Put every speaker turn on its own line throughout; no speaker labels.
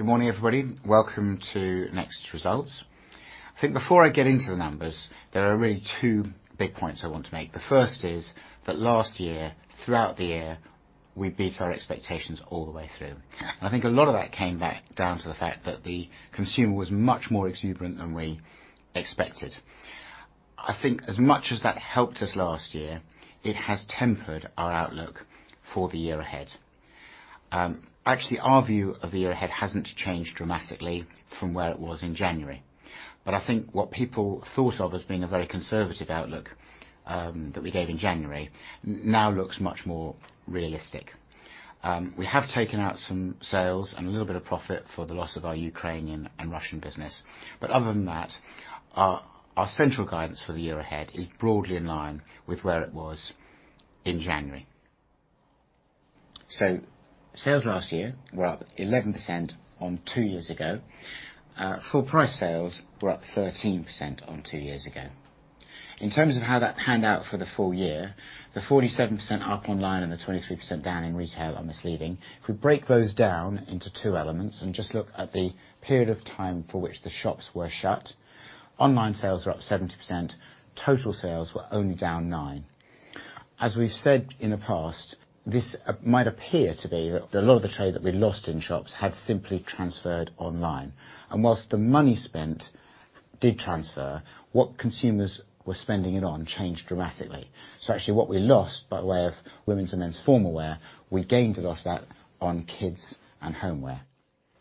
Good morning, everybody. Welcome to NEXT results. I think before I get into the numbers, there are really two big points I want to make. The first is that last year, throughout the year, we beat our expectations all the way through. I think a lot of that came back down to the fact that the consumer was much more exuberant than we expected. I think as much as that helped us last year, it has tempered our outlook for the year ahead. Actually, our view of the year ahead hasn't changed dramatically from where it was in January. I think what people thought of as being a very conservative outlook, that we gave in January now looks much more realistic. We have taken out some sales and a little bit of profit for the loss of our Ukrainian and Russian business. Other than that, our central guidance for the year ahead is broadly in line with where it was in January. Sales last year were up 11% on two years ago. Full price sales were up 13% on two years ago. In terms of how that panned out for the full year, the 47% up online and the 23% down in retail are misleading. If we break those down into two elements and just look at the period of time for which the shops were shut, online sales were up 70%, total sales were only down 9%. As we've said in the past, this might appear to be that a lot of the trade that we lost in shops had simply transferred online. While the money spent did transfer, what consumers were spending it on changed dramatically. Actually what we lost by way of women's and men's formal wear, we gained a lot of that on kids and homeware.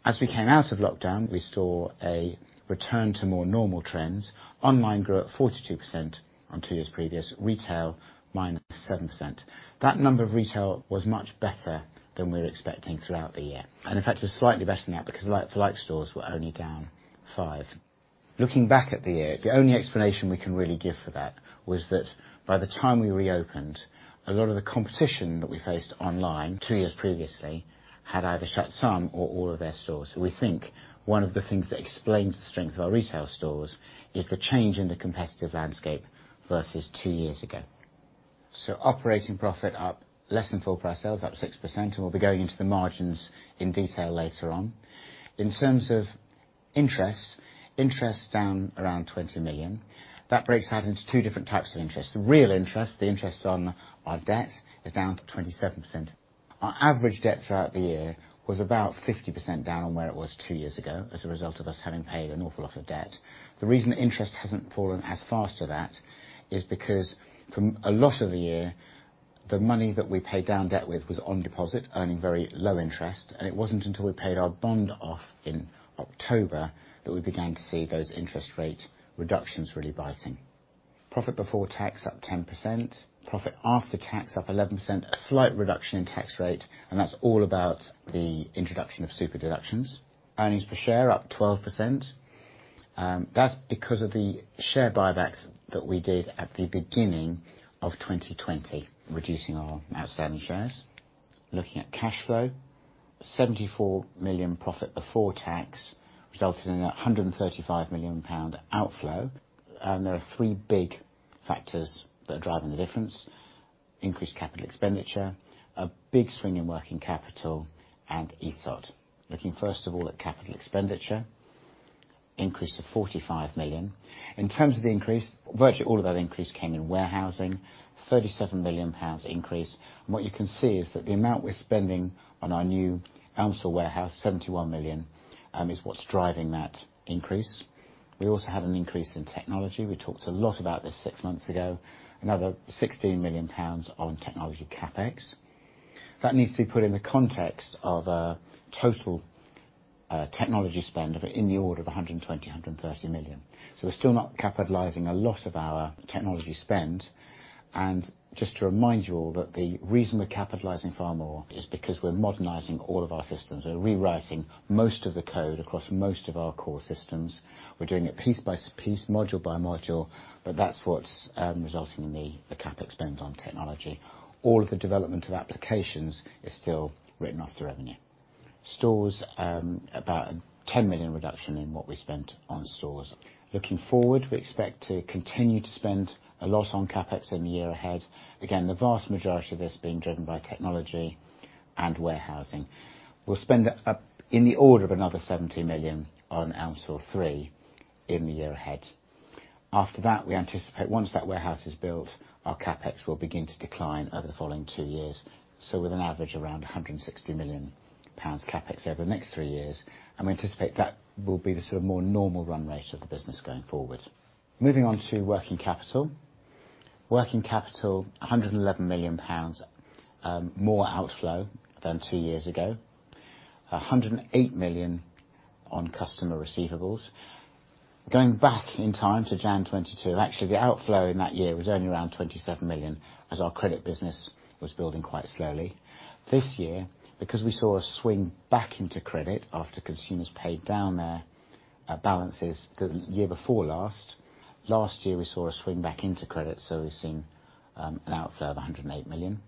As we came out of lockdown, we saw a return to more normal trends. Online grew at 42% on two years previous, retail -7%. That number of retail was much better than we were expecting throughout the year. In fact, it was slightly better than that because like for like stores were only down 5%. Looking back at the year, the only explanation we can really give for that was that by the time we reopened, a lot of the competition that we faced online two years previously had either shut some or all of their stores. We think one of the things that explains the strength of our retail stores is the change in the competitive landscape versus two years ago. Operating profit up less than full price sales, up 6%, and we'll be going into the margins in detail later on. In terms of interest down around 20 million. That breaks out into two different types of interest. The real interest, the interest on our debt is down to 27%. Our average debt throughout the year was about 50% down on where it was two years ago as a result of us having paid an awful lot of debt. The reason interest hasn't fallen as fast to that is because for a lot of the year, the money that we paid down debt with was on deposit, earning very low interest. It wasn't until we paid our bond off in October that we began to see those interest rate reductions really biting. Profit before tax up 10%, profit after tax up 11%, a slight reduction in tax rate, and that's all about the introduction of super-deduction. Earnings per share up 12%. That's because of the share buybacks that we did at the beginning of 2020, reducing our outstanding shares. Looking at cash flow, 74 million profit before tax resulted in a 135 million pound outflow. There are three big factors that are driving the difference: increased capital expenditure, a big swing in working capital, and the other. Looking first of all at capital expenditure, increase of 45 million. In terms of the increase, virtually all of that increase came in warehousing, 37 million pounds increase. What you can see is that the amount we're spending on our new Elmsall warehouse, 71 million, is what's driving that increase. We also had an increase in technology. We talked a lot about this six months ago, another 16 million pounds on technology CapEx. That needs to be put in the context of a total technology spend of in the order of 120 million-130 million. We're still not capitalizing a lot of our technology spend. Just to remind you all that the reason we're capitalizing far more is because we're modernizing all of our systems. We're rewriting most of the code across most of our core systems. We're doing it piece by piece, module by module, but that's what's resulting in the CapEx spend on technology. All of the development of applications is still written off to revenue. Stores, about a 10 million reduction in what we spent on stores. Looking forward, we expect to continue to spend a lot on CapEx in the year ahead. Again, the vast majority of this being driven by technology and warehousing. We'll spend in the order of another 70 million on Elmsall 3 in the year ahead. After that, we anticipate once that warehouse is built, our CapEx will begin to decline over the following two years. With an average around 160 million pounds CapEx over the next three years, and we anticipate that will be the sort of more normal run rate of the business going forward. Moving on to working capital. Working capital, 111 million pounds more outflow than two years ago. 108 million on customer receivables. Going back in time to January 2022, actually, the outflow in that year was only around 27 million as our credit business was building quite slowly. This year, because we saw a swing back into credit after consumers paid down their balances the year before last year we saw a swing back into credit, so we've seen an outflow of 108 million.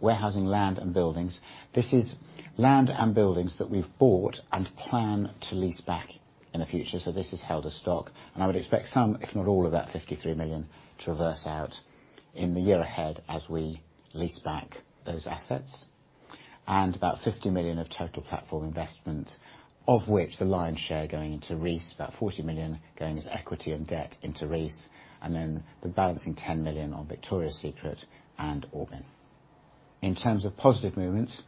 Warehousing land and buildings. This is land and buildings that we've bought and plan to lease back. In the future, so this is held as stock, and I would expect some, if not all, of that 53 million to reverse out in the year ahead as we lease back those assets. About 50 million of Total Platform investment, of which the lion's share going into Reiss, about 40 million going as equity and debt into Reiss and then the balancing 10 million on Victoria's Secret and Aubin. In terms of positive movements,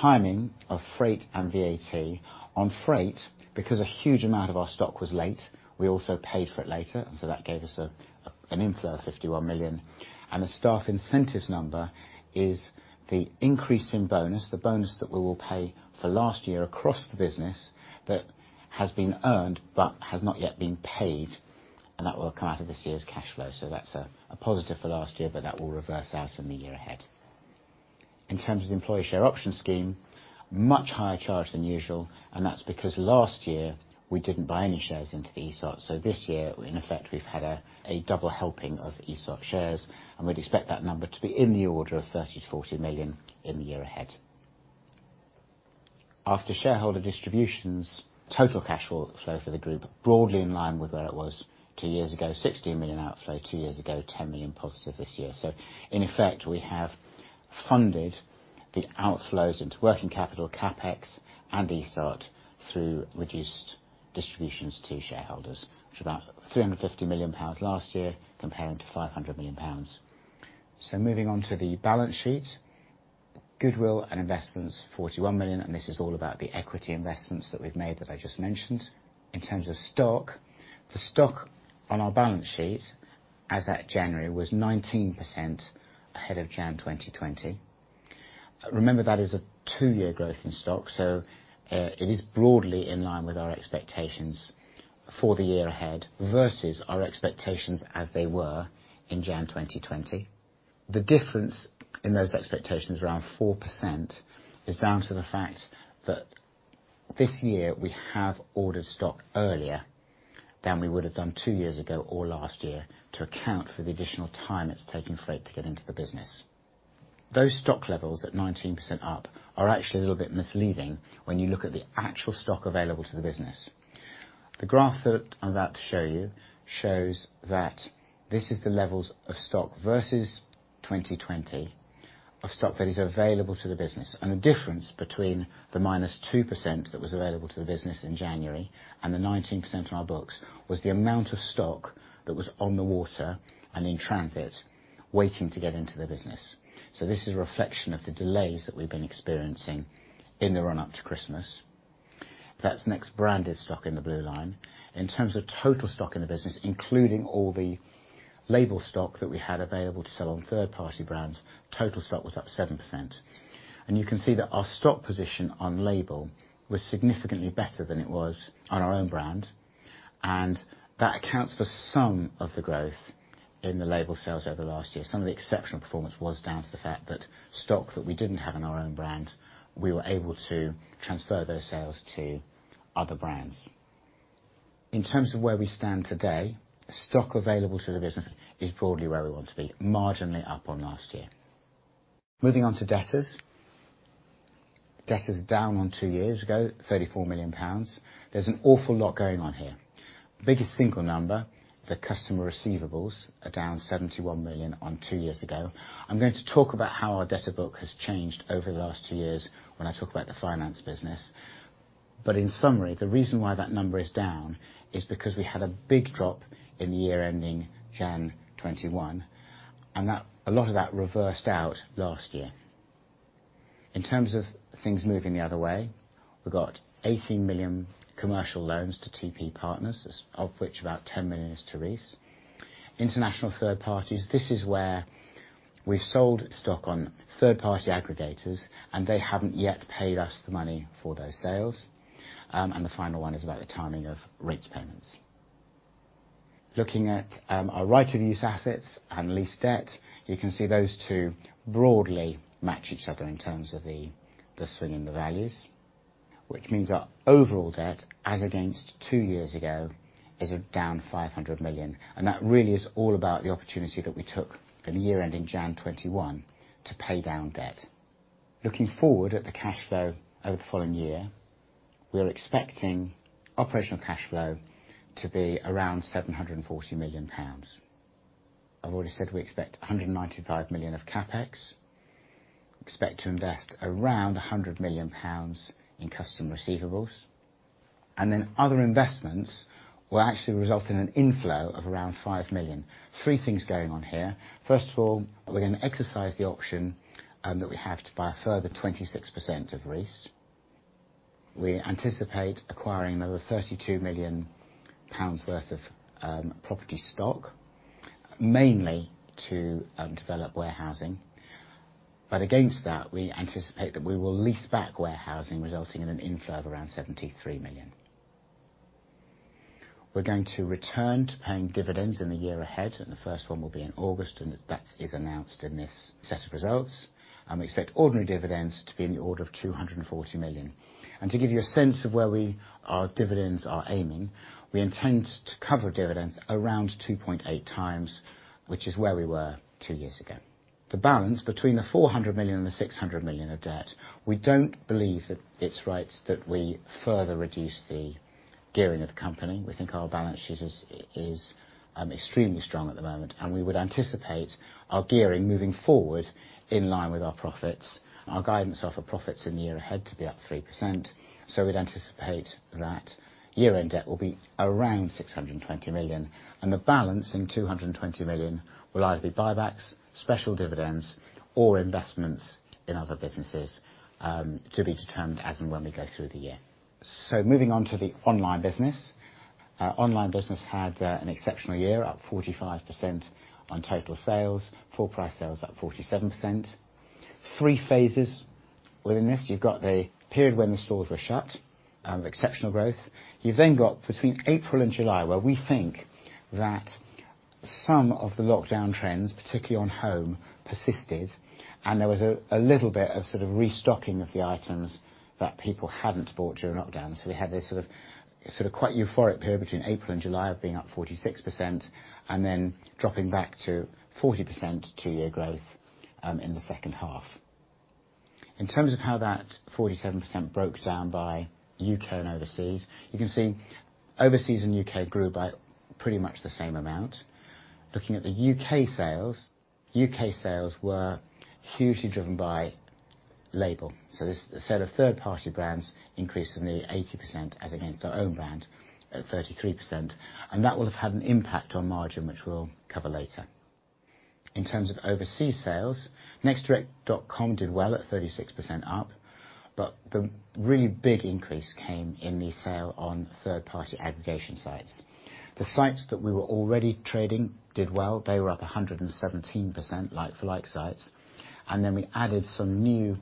timing of freight and VAT. On freight, because a huge amount of our stock was late, we also paid for it later, and so that gave us an inflow of 51 million. The staff incentives number is the increase in bonus, the bonus that we will pay for last year across the business that has been earned but has not yet been paid, and that will come out of this year's cash flow. That's a positive for last year, but that will reverse out in the year ahead. In terms of employee share option scheme, much higher charge than usual, and that's because last year we didn't buy any shares into ESOP. This year, in effect, we've had a double helping of ESOP shares, and we'd expect that number to be in the order of 30-40 million in the year ahead. After shareholder distributions, total cash flow for the group broadly in line with where it was two years ago, 16 million outflow two years ago, 10 million positive this year. In effect, we have funded the outflows into working capital CapEx and ESOP through reduced distributions to shareholders, which is about 350 million pounds last year compared to 500 million pounds. Moving on to the balance sheet. Goodwill and investments, 41 million, and this is all about the equity investments that we've made that I just mentioned. In terms of stock, the stock on our balance sheet as at January was 19% ahead of January 2020. Remember that is a two-year growth in stock, so it is broadly in line with our expectations for the year ahead versus our expectations as they were in January 2020. The difference in those expectations, around 4%, is down to the fact that this year we have ordered stock earlier than we would have done two years ago or last year to account for the additional time it's taken freight to get into the business. Those stock levels at 19% up are actually a little bit misleading when you look at the actual stock available to the business. The graph that I'm about to show you shows that this is the levels of stock versus 2020, of stock that is available to the business, and the difference between the -2% that was available to the business in January and the 19% on our books was the amount of stock that was on the water and in transit waiting to get into the business. This is a reflection of the delays that we've been experiencing in the run-up to Christmas. That's NEXT branded stock in the blue line. In terms of total stock in the business, including all the LABEL stock that we had available to sell on third-party brands, total stock was up 7%. You can see that our stock position on LABEL was significantly better than it was on our own brand, and that accounts for some of the growth in the LABEL sales over the last year. Some of the exceptional performance was down to the fact that stock that we didn't have in our own brand, we were able to transfer those sales to other brands. In terms of where we stand today, stock available to the business is broadly where we want to be, marginally up on last year. Moving on to debtors. Debtors down on two years ago, 34 million pounds. There's an awful lot going on here. Biggest single number, the customer receivables are down 71 million on two years ago. I'm going to talk about how our debtor book has changed over the last two years when I talk about the finance business. In summary, the reason why that number is down is because we had a big drop in the year ending January 2021, and a lot of that reversed out last year. In terms of things moving the other way, we got 18 million commercial loans to TP partners, of which about 10 million is to Reiss. International third parties, this is where we've sold stock on third-party aggregators, and they haven't yet paid us the money for those sales. The final one is about the timing of rent payments. Looking at our right-of-use assets and lease debt, you can see those two broadly match each other in terms of the swing in the values, which means our overall debt as against two years ago is down 500 million. That really is all about the opportunity that we took in the year ending January 2021 to pay down debt. Looking forward at the cash flow over the following year, we are expecting operational cash flow to be around 740 million pounds. I've already said we expect 195 million of CapEx. Expect to invest around 100 million pounds in customer receivables. Other investments will actually result in an inflow of around 5 million. Three things going on here. First of all, we're gonna exercise the option that we have to buy a further 26% of Reiss. We anticipate acquiring another 32 million pounds worth of property stock, mainly to develop warehousing. Against that, we anticipate that we will lease back warehousing, resulting in an inflow of around 73 million. We're going to return to paying dividends in the year ahead, and the first one will be in August, and that is announced in this set of results. We expect ordinary dividends to be in the order of 240 million. To give you a sense of where our dividends are aiming, we intend to cover dividends around 2.8 times, which is where we were two years ago. The balance between the 400 million and the 600 million of debt, we don't believe that it's right that we further reduce the gearing of the company. We think our balance sheet is extremely strong at the moment, and we would anticipate our gearing moving forward in line with our profits. Our guidance for profits in the year ahead to be up 3%, so we'd anticipate that year-end debt will be around 620 million. The balance in 220 million will either be buybacks, special dividends, or investments in other businesses, to be determined as and when we go through the year. Moving on to the online business. Online business had an exceptional year, up 45% on total sales. Full price sales up 47%. Three phases within this. You've got the period when the stores were shut, exceptional growth. You've then got between April and July, where we think that some of the lockdown trends, particularly on home, persisted, and there was a little bit of sort of restocking of the items that people hadn't bought during lockdown. We had this quite euphoric period between April and July of being up 46% and then dropping back to 40% two-year growth in the H2. In terms of how that 47% broke down by U.K. and overseas, you can see overseas and U.K. grew by pretty much the same amount. Looking at the U.K. sales, U.K. sales were hugely driven by LABEL. This, a set of third-party brands increased nearly 80% as against our own brand at 33%. That will have had an impact on margin, which we'll cover later. In terms of overseas sales, nextdirect.com did well at 36% up, but the really big increase came in the sale on third-party aggregation sites. The sites that we were already trading did well. They were up 117% like-for-like sites. We added some new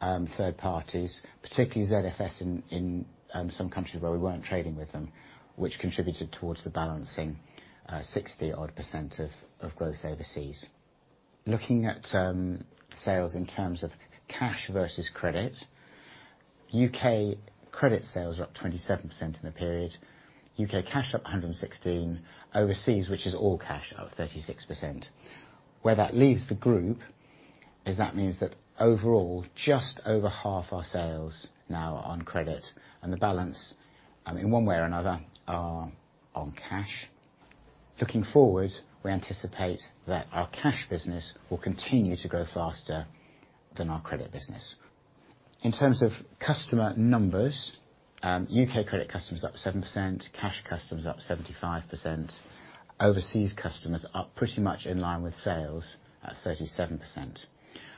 third parties, particularly [ZEOS] in some countries where we weren't trading with them, which contributed towards the balance in 60-odd% of growth overseas. Looking at sales in terms of cash versus credit. U.K. credit sales are up 27% in the period. U.K. cash up 116. Overseas, which is all cash, up 36%. Where that leaves the group is that means that overall, just over half our sales now are on credit, and the balance in one way or another are on cash. Looking forward, we anticipate that our cash business will continue to grow faster than our credit business. In terms of customer numbers, U.K. credit customers up 7%, cash customers up 75%, overseas customers up pretty much in line with sales at 37%.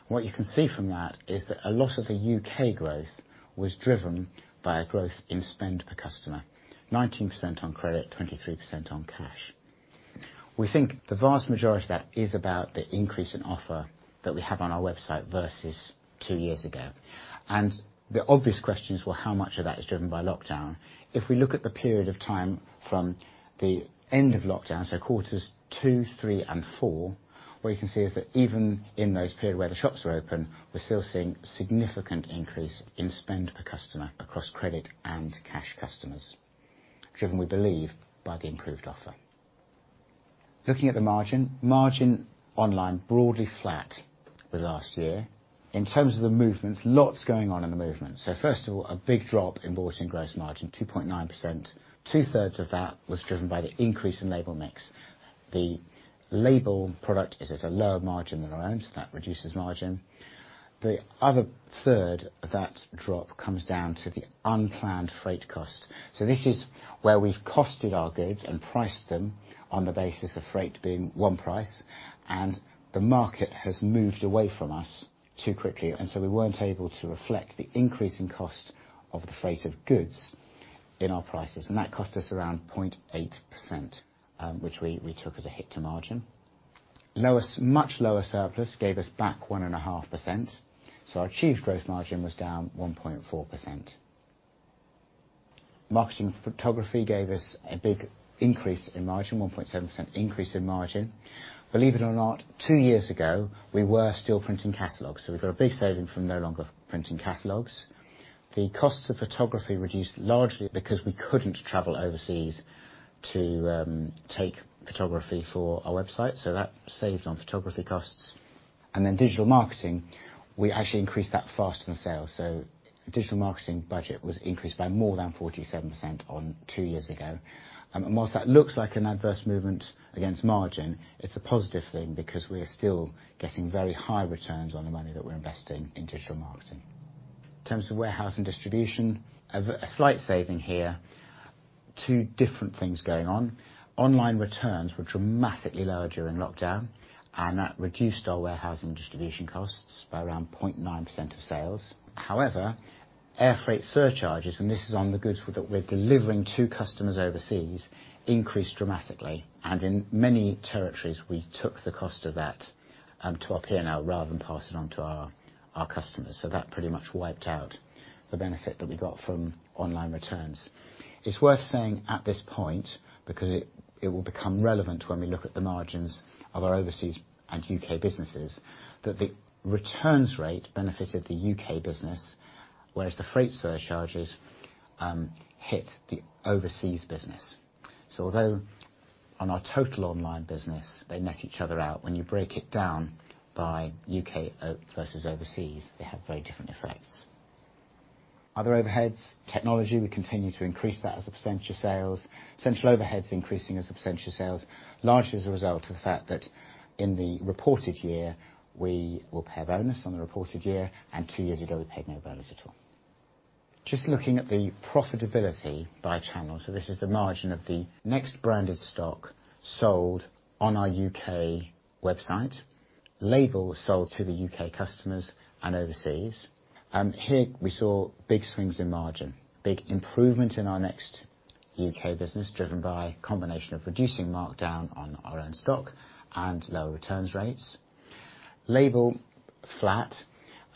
What you can see from that is that a lot of the U.K. growth was driven by a growth in spend per customer. 19% on credit, 23% on cash. We think the vast majority of that is about the increase in offer that we have on our website versus two years ago. The obvious question is, well, how much of that is driven by lockdown? If we look at the period of time from the end of lockdown, so quarters two, three and four, what you can see is that even in those periods where the shops were open, we're still seeing significant increase in spend per customer across credit and cash customers, driven, we believe, by the improved offer. Looking at the margin. Margin online broadly flat with last year. In terms of the movements, lots going on in the movement. First of all, a big drop in gross margin, 2.9%. Two-thirds of that was driven by the increase in LABEL mix. The LABEL product is at a lower margin than our own, so that reduces margin. The other third of that drop comes down to the unplanned freight cost. This is where we've costed our goods and priced them on the basis of freight being one price, and the market has moved away from us too quickly, and so we weren't able to reflect the increase in cost of the freight of goods in our prices. That cost us around 0.8%, which we took as a hit to margin. Much lower surplus gave us back 1.5%, so our achieved gross margin was down 1.4%. Marketing photography gave us a big increase in margin, 1.7% increase in margin. Believe it or not, two years ago, we were still printing catalogs, so we've got a big saving from no longer printing catalogs. The costs of photography reduced largely because we couldn't travel overseas to take photography for our website, so that saved on photography costs. Digital marketing, we actually increased that faster than sales. Digital marketing budget was increased by more than 47% on two years ago. While that looks like an adverse movement against margin, it's a positive thing because we are still getting very high returns on the money that we're investing in digital marketing. In terms of warehouse and distribution, a slight saving here. Two different things going on. Online returns were dramatically lower during lockdown, and that reduced our warehouse and distribution costs by around 0.9% of sales. However, air freight surcharges, and this is on the goods that we're delivering to customers overseas, increased dramatically. In many territories, we took the cost of that to our P&L rather than pass it on to our customers. That pretty much wiped out the benefit that we got from online returns. It's worth saying at this point, because it will become relevant when we look at the margins of our overseas and U.K. businesses, that the returns rate benefited the U.K. business, whereas the freight surcharges hit the overseas business. Although on our total online business, they net each other out, when you break it down by U.K. versus overseas, they have very different effects. Other overheads, technology, we continue to increase that as a percentage of sales. Central overheads increasing as a percentage of sales, largely as a result of the fact that in the reported year, we will pay a bonus on the reported year, and two years ago, we paid no bonus at all. Just looking at the profitability by channel. This is the margin of the NEXT branded stock sold on our U.K. website. LABEL sold to the U.K. customers and overseas. Here we saw big swings in margin, big improvement in our NEXT U.K. business, driven by a combination of reducing markdown on our own stock and lower returns rates. LABEL flat.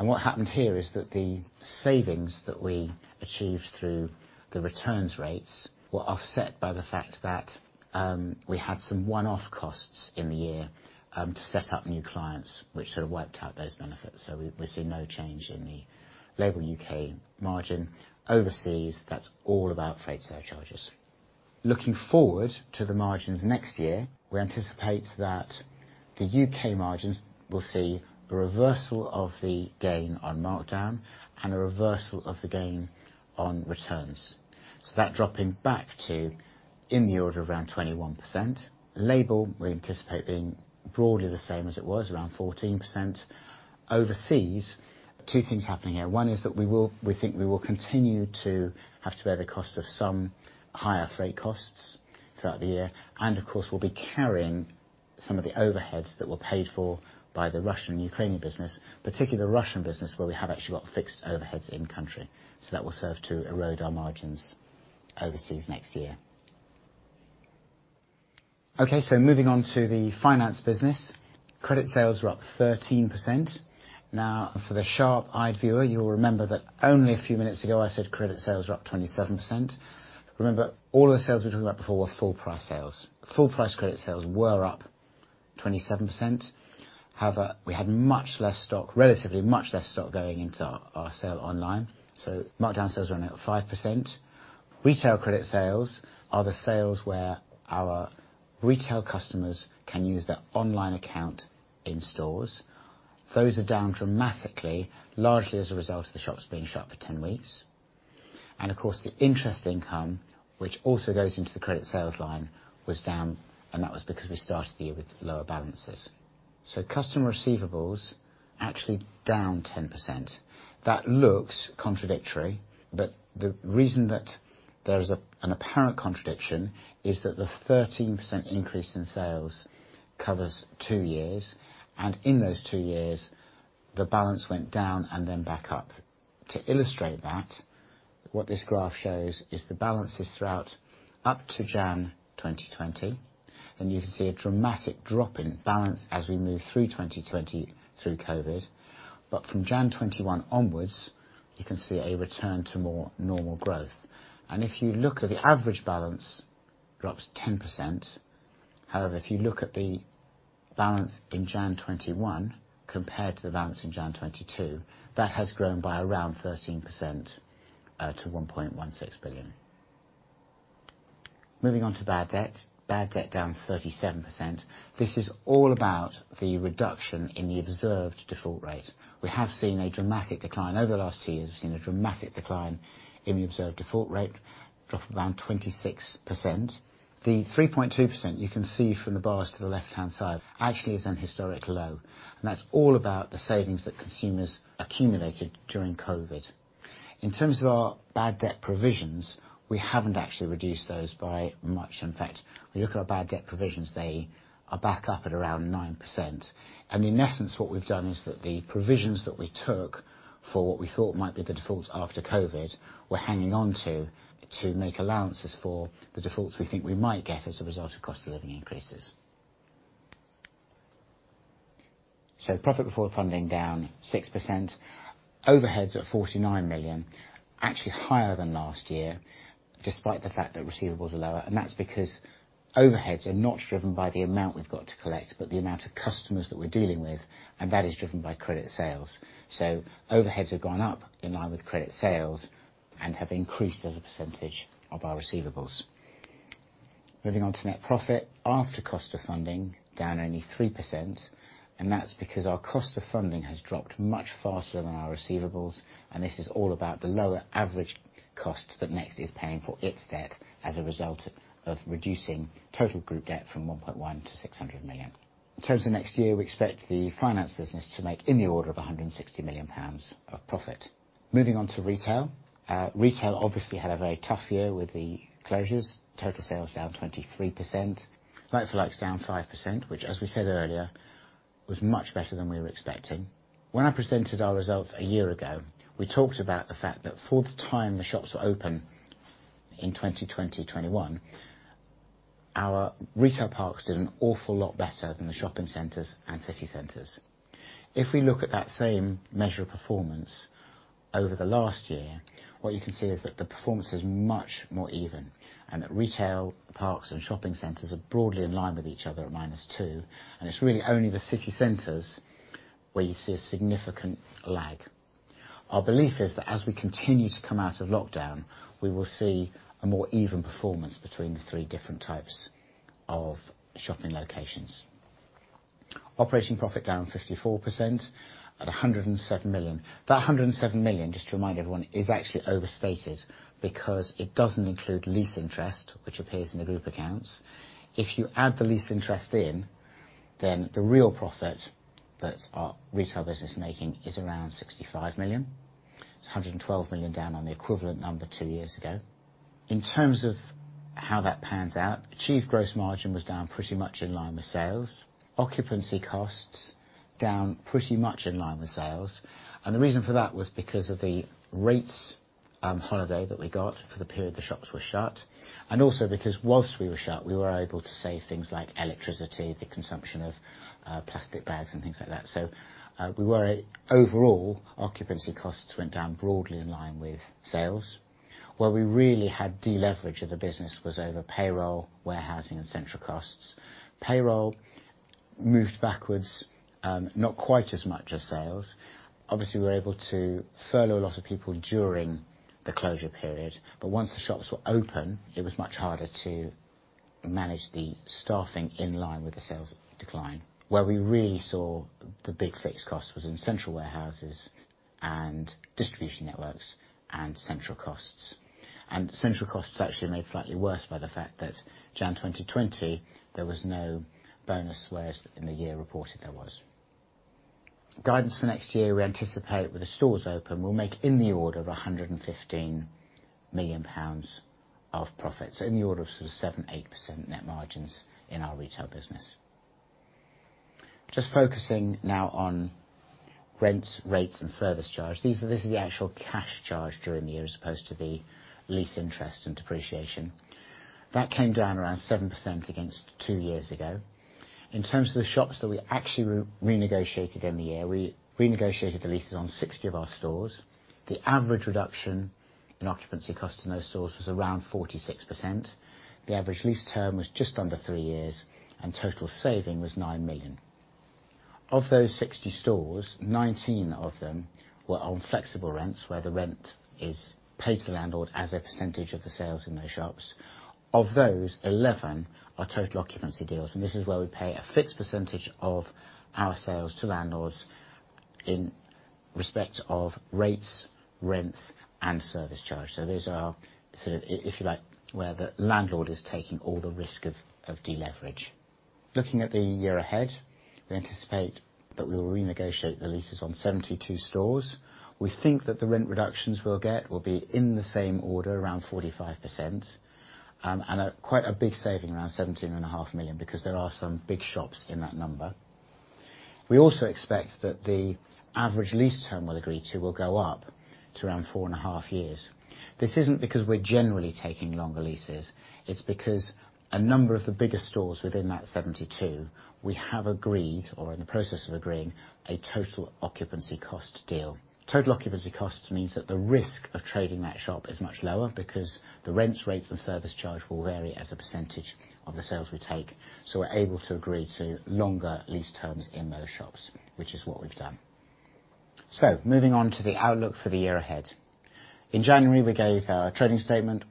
What happened here is that the savings that we achieved through the returns rates were offset by the fact that we had some one-off costs in the year to set up new clients, which sort of wiped out those benefits. We see no change in the LABEL UK margin. Overseas, that's all about freight surcharges. Looking forward to the margins next year, we anticipate that the UK margins will see a reversal of the gain on markdown and a reversal of the gain on returns. That dropping back to in the order of around 21%. LABEL, we anticipate being broadly the same as it was, around 14%. Overseas, two things happening here. One is that we think we will continue to have to bear the cost of some higher freight costs throughout the year, and of course, we'll be carrying some of the overheads that were paid for by the Russian and Ukrainian business, particularly the Russian business, where we have actually got fixed overheads in country. That will serve to erode our margins overseas next year. Okay, moving on to the finance business. Credit sales were up 13%. Now, for the sharp-eyed viewer, you'll remember that only a few minutes ago, I said credit sales were up 27%. Remember, all of the sales we were talking about before were full price sales. Full price credit sales were up 27%. However, we had much less stock, relatively much less stock going into our sale online. Markdown sales were only up 5%. Retail credit sales are the sales where our retail customers can use their online account in stores. Those are down dramatically, largely as a result of the shops being shut for 10 weeks. Of course, the interest income, which also goes into the credit sales line, was down, and that was because we started the year with lower balances. Customer receivables actually down 10%. That looks contradictory, but the reason that there is a, an apparent contradiction is that the 13% increase in sales covers two years, and in those two years, the balance went down and then back up. To illustrate that, what this graph shows is the balances throughout up to January 2020, and you can see a dramatic drop in balance as we move through 2020 through COVID. From January 2021 onwards, you can see a return to more normal growth. If you look at the average balance drops 10%. However, if you look at the balance in January 2021 compared to the balance in January 2022, that has grown by around 13%, to 1.16 billion. Moving on to bad debt. Bad debt down 37%. This is all about the reduction in the observed default rate. We have seen a dramatic decline. Over the last two years, we've seen a dramatic decline in the observed default rate, drop of around 26%. The 3.2% you can see from the bars to the left-hand side actually is an historic low, and that's all about the savings that consumers accumulated during COVID. In terms of our bad debt provisions, we haven't actually reduced those by much. In fact, when you look at our bad debt provisions, they are back up at around 9%. In essence, what we've done is that the provisions that we took for what we thought might be the defaults after COVID, we're hanging on to make allowances for the defaults we think we might get as a result of cost of living increases. Profit before funding down 6%. Overheads at 49 million, actually higher than last year, despite the fact that receivables are lower, and that's because overheads are not driven by the amount we've got to collect, but the amount of customers that we're dealing with, and that is driven by credit sales. Overheads have gone up in line with credit sales and have increased as a percentage of our receivables. Moving on to net profit after cost of funding, down only 3%, and that's because our cost of funding has dropped much faster than our receivables, and this is all about the lower average cost that NEXT is paying for it's debt as a result of reducing total group debt from 1.1 billion to 600 million. In terms of next year, we expect the finance business to make in the order of 160 million pounds of profit. Moving on to retail. Retail obviously had a very tough year with the closures. Total sales down 23%. Like-for-likes down 5%, which as we said earlier, was much better than we were expecting. When I presented our results a year ago, we talked about the fact that for the time the shops were open in 2020, 2021, our retail parks did an awful lot better than the shopping centers and city centers. If we look at that same measure of performance over the last year, what you can see is that the performance is much more even and that retail parks and shopping centers are broadly in line with each other at -2%, and it's really only the city centers where you see a significant lag. Our belief is that as we continue to come out of lockdown, we will see a more even performance between the three different types of shopping locations. Operating profit down 54% at 107 million. That 107 million, just to remind everyone, is actually overstated because it doesn't include lease interest, which appears in the group accounts. If you add the lease interest in, then the real profit that our retail business is making is around 65 million. It's 112 million down on the equivalent number 2 years ago. In terms of how that pans out, achieved gross margin was down pretty much in line with sales. Occupancy costs down pretty much in line with sales. The reason for that was because of the rates holiday that we got for the period the shops were shut, and also because while we were shut, we were able to save things like electricity, the consumption of plastic bags and things like that. Overall, occupancy costs went down broadly in line with sales. Where we really had deleverage of the business was over payroll, warehousing, and central costs. Payroll moved backwards, not quite as much as sales. Obviously, we were able to furlough a lot of people during the closure period, but once the shops were open, it was much harder to manage the staffing in line with the sales decline. Where we really saw the big fixed cost was in central warehouses and distribution networks and central costs. Central costs actually made slightly worse by the fact that January 2020, there was no bonus whereas in the year reported, there was. Guidance for next year, we anticipate with the stores open, we'll make in the order of 115 million pounds of profits, in the order of sort of 7%-8% net margins in our retail business. Just focusing now on rents, rates, and service charge. This is the actual cash charge during the year as opposed to the lease interest and depreciation. That came down around 7% against two years ago. In terms of the shops that we actually renegotiated in the year, we renegotiated the leases on 60 of our stores. The average reduction in occupancy cost in those stores was around 46%. The average lease term was just under 3 years, and total saving was 9 million. Of those 60 stores, 19 of them were on flexible rents, where the rent is paid to the landlord as a percentage of the sales in those shops. Of those, 11 are total occupancy deals, and this is where we pay a fixed percentage of our sales to landlords in respect of rates, rents, and service charge. Those are sort of, if you like, where the landlord is taking all the risk of deleverage. Looking at the year ahead, we anticipate that we'll renegotiate the leases on 72 stores. We think that the rent reductions we'll get will be in the same order, around 45%, and a quite big saving around 17.5 million because there are some big shops in that number. We also expect that the average lease term we'll agree to will go up to around 4.5 years. This isn't because we're generally taking longer leases. It's because a number of the bigger stores within that 72, we have agreed or are in the process of agreeing a total occupancy cost deal. Total occupancy cost means that the risk of trading that shop is much lower because the rents, rates, and service charge will vary as a percentage of the sales we take, so we're able to agree to longer lease terms in those shops, which is what we've done. Moving on to the outlook for the year ahead. In January, we gave our trading statement.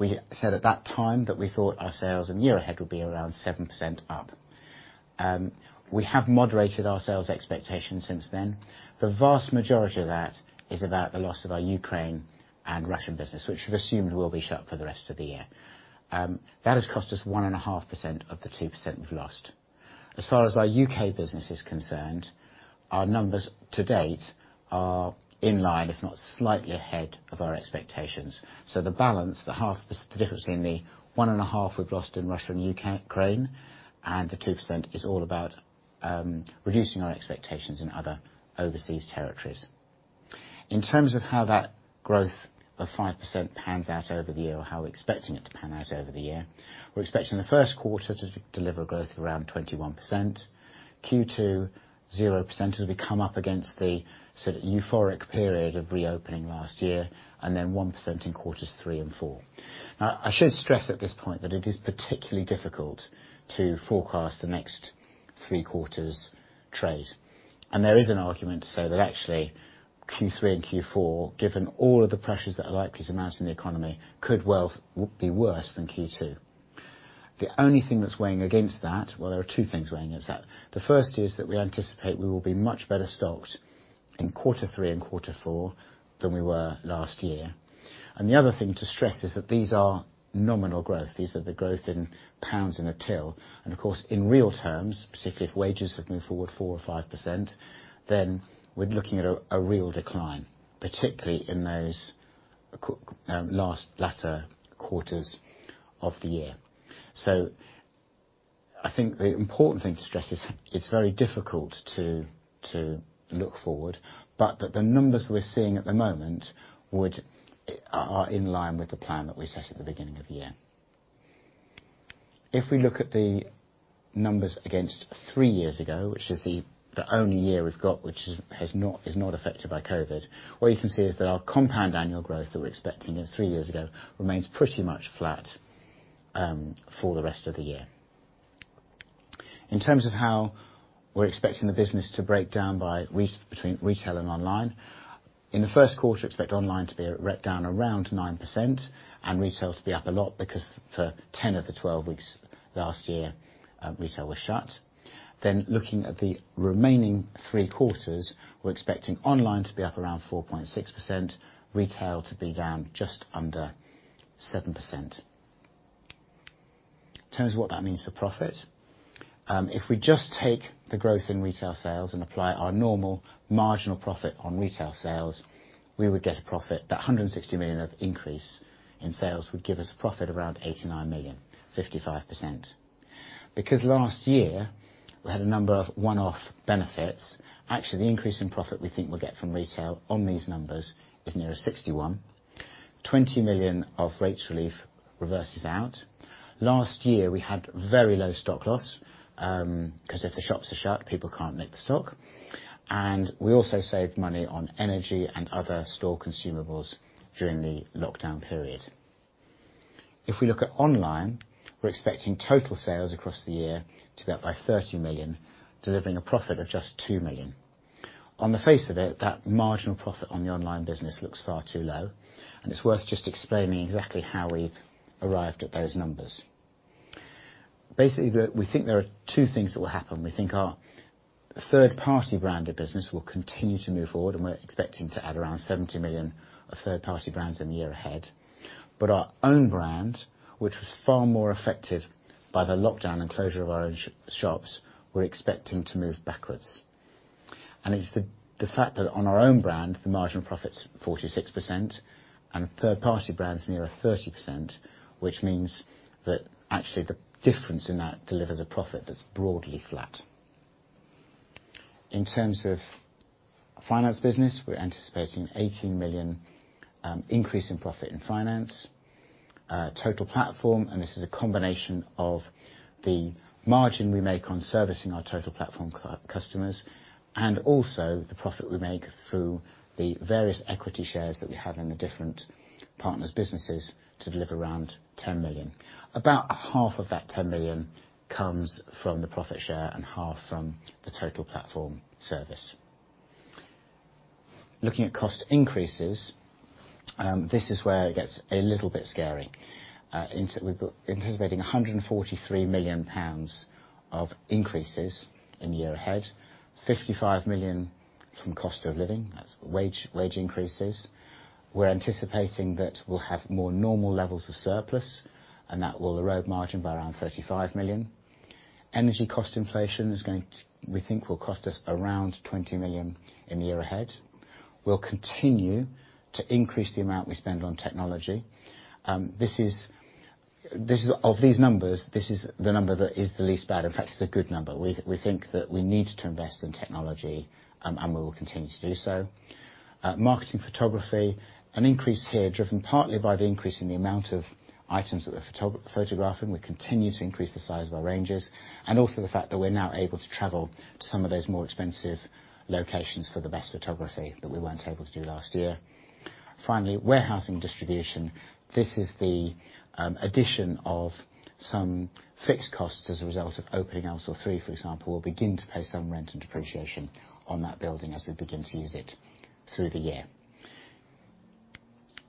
We said at that time that we thought our sales in the year ahead would be around 7% up. We have moderated our sales expectations since then. The vast majority of that is about the loss of our Ukraine and Russian business, which we've assumed will be shut for the rest of the year. That has cost us 1.5% of the 2% we've lost. As far as our UK business is concerned, our numbers to date are in line, if not slightly ahead of our expectations. The difference between the 1.5 we've lost in Russia and Ukraine and the 2% is all about reducing our expectations in other overseas territories. In terms of how that growth of 5% pans out over the year or how we're expecting it to pan out over the year, we're expecting the first quarter to deliver growth of around 21%. Q2, 0% as we come up against the sort of euphoric period of reopening last year, and then 1% in quarters three and four. Now, I should stress at this point that it is particularly difficult to forecast the next three quarters' trade. There is an argument to say that actually Q3 and Q4, given all of the pressures that are likely to mount in the economy, could well be worse than Q2. The only thing that's weighing against that. Well, there are two things weighing against that. The first is that we anticipate we will be much better stocked in quarter three and quarter four than we were last year. The other thing to stress is that these are nominal growth. These are the growth in pounds in a till. Of course, in real terms, particularly if wages have moved forward 4% or 5%, then we're looking at a real decline, particularly in those last, latter quarters of the year. I think the important thing to stress is it's very difficult to look forward, but the numbers we're seeing at the moment would. Are in line with the plan that we set at the beginning of the year. If we look at the numbers against three years ago, which is the only year we've got which is not affected by COVID, what you can see is that our compound annual growth from three years ago that we're expecting remains pretty much flat for the rest of the year. In terms of how we're expecting the business to break down between retail and online, in the first quarter, we expect online to be down around 9% and retail to be up a lot because for 10 of the 12 weeks last year, retail was shut. Looking at the remaining three quarters, we're expecting online to be up around 4.6%, retail to be down just under 7%. In terms of what that means for profit, if we just take the growth in retail sales and apply our normal marginal profit on retail sales, we would get a profit. That 160 million increase in sales would give us a profit around 89 million, 55%. Because last year we had a number of one-off benefits, actually the increase in profit we think we'll get from retail on these numbers is nearer 61 million. 20 million of rates relief reverses out. Last year we had very low stock loss, 'cause if the shops are shut, people can't take the stock. We also saved money on energy and other store consumables during the lockdown period. If we look at online, we're expecting total sales across the year to be up by 30 million, delivering a profit of just 2 million. On the face of it, that marginal profit on the online business looks far too low, and it's worth just explaining exactly how we've arrived at those numbers. Basically, we think there are two things that will happen. We think our third-party branded business will continue to move forward, and we're expecting to add around 70 million of third-party brands in the year ahead. Our own brand, which was far more affected by the lockdown and closure of our own shops, we're expecting to move backwards. It's the fact that on our own brand, the marginal profit's 46% and third-party brands nearer 30%, which means that actually the difference in that delivers a profit that's broadly flat. In terms of finance business, we're anticipating 18 million increase in profit in finance. Total Platform. This is a combination of the margin we make on servicing our Total Platform customers and also the profit we make through the various equity shares that we have in the different partners' businesses to deliver around 10 million. About half of that 10 million comes from the profit share and half from the Total Platform service. Looking at cost increases, this is where it gets a little bit scary. We're anticipating 143 million pounds of increases in the year ahead, 55 million from cost of living, that's wage increases. We're anticipating that we'll have more normal levels of surplus, and that will erode margin by around 35 million. Energy cost inflation, we think, will cost us around 20 million in the year ahead. We'll continue to increase the amount we spend on technology. Of these numbers, this is the number that is the least bad. In fact, it's a good number. We think that we need to invest in technology, and we will continue to do so. Marketing photography, an increase here driven partly by the increase in the amount of items that we're photographing. We continue to increase the size of our ranges, and also the fact that we're now able to travel to some of those more expensive locations for the best photography that we weren't able to do last year. Finally, warehousing distribution. This is the addition of some fixed costs as a result of opening Elmsall 3, for example. We'll begin to pay some rent and depreciation on that building as we begin to use it through the year.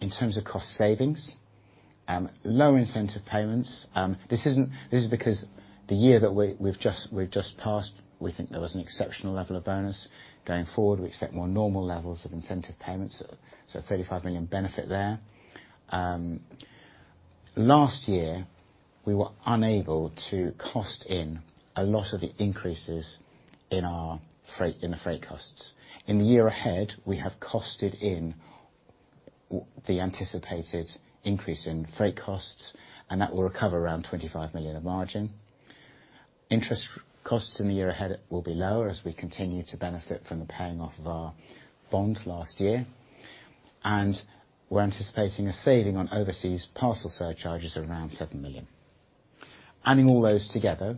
In terms of cost savings, low incentive payments. This is because the year that we've just passed, we think there was an exceptional level of bonus. Going forward, we expect more normal levels of incentive payments, so 35 million benefit there. Last year, we were unable to cost in a lot of the increases in our freight, in the freight costs. In the year ahead, we have costed in the anticipated increase in freight costs, and that will recover around 25 million of margin. Interest costs in the year ahead will be lower as we continue to benefit from the paying off of our bond last year. We're anticipating a saving on overseas parcel surcharges of around 7 million. Adding all those together,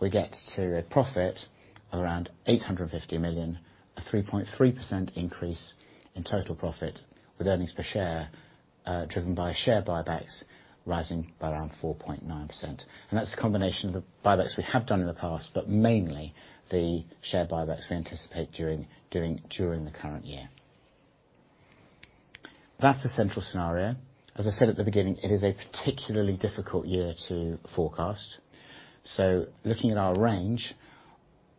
we get to a profit of around 850 million, a 3.3% increase in total profit, with earnings per share driven by share buybacks rising by around 4.9%. That's a combination of the buybacks we have done in the past, but mainly the share buybacks we anticipate during the current year. That's the central scenario. As I said at the beginning, it is a particularly difficult year to forecast. Looking at our range,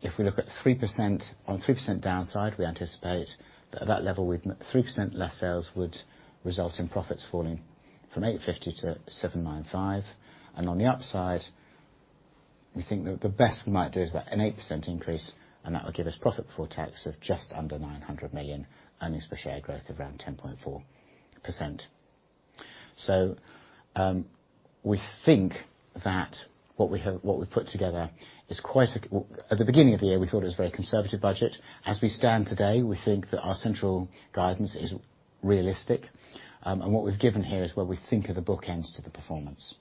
if we look at 3%, on 3% downside, we anticipate that at that level, we'd. Three percent less sales would result in profits falling from 850 million to 795 million. On the upside, we think that the best we might do is about an 8% increase, and that would give us profit before tax of just under 900 million, earnings per share growth of around 10.4%. We think that what we have, what we've put together is quite a. Well, at the beginning of the year, we thought it was a very conservative budget. As we stand today, we think that our central guidance is realistic, and what we've given here is where we think are the bookends to the performance.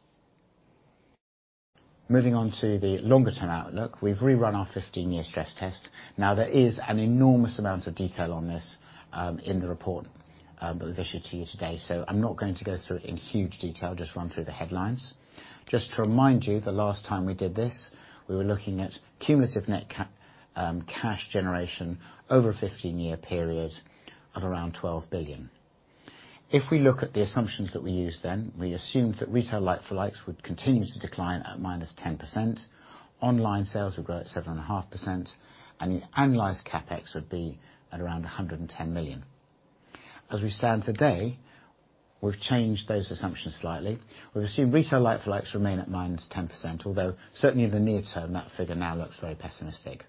Moving on to the longer-term outlook. We've rerun our 15-year stress test. Now, there is an enormous amount of detail on this, in the report, that we've issued to you today. I'm not going to go through it in huge detail, just run through the headlines. Just to remind you, the last time we did this, we were looking at cumulative net cash generation over a 15-year period of around 12 billion. If we look at the assumptions that we used then, we assumed that retail like-for-likes would continue to decline at -10%, online sales would grow at 7.5%, and the annualized CapEx would be at around 110 million. As we stand today, we've changed those assumptions slightly. We've assumed retail like-for-likes remain at -10%, although certainly in the near term, that figure now looks very pessimistic.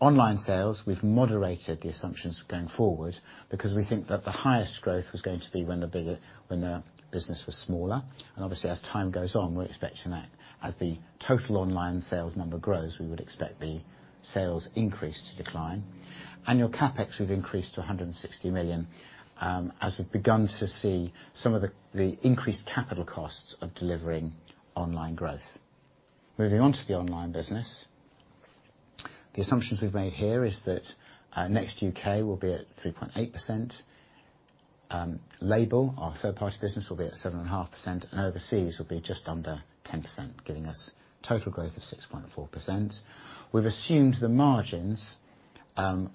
Online sales, we've moderated the assumptions going forward because we think that the highest growth was going to be when the business was smaller. Obviously, as time goes on, we're expecting that as the total online sales number grows, we would expect the sales increase to decline. Annual CapEx we've increased to 160 million, as we've begun to see some of the increased capital costs of delivering online growth. Moving on to the online business. The assumptions we've made here is that, NEXT UK will be at 3.8%. LABEL, our third-party business, will be at 7.5%, and Overseas will be just under 10%, giving us total growth of 6.4%. We've assumed the margins,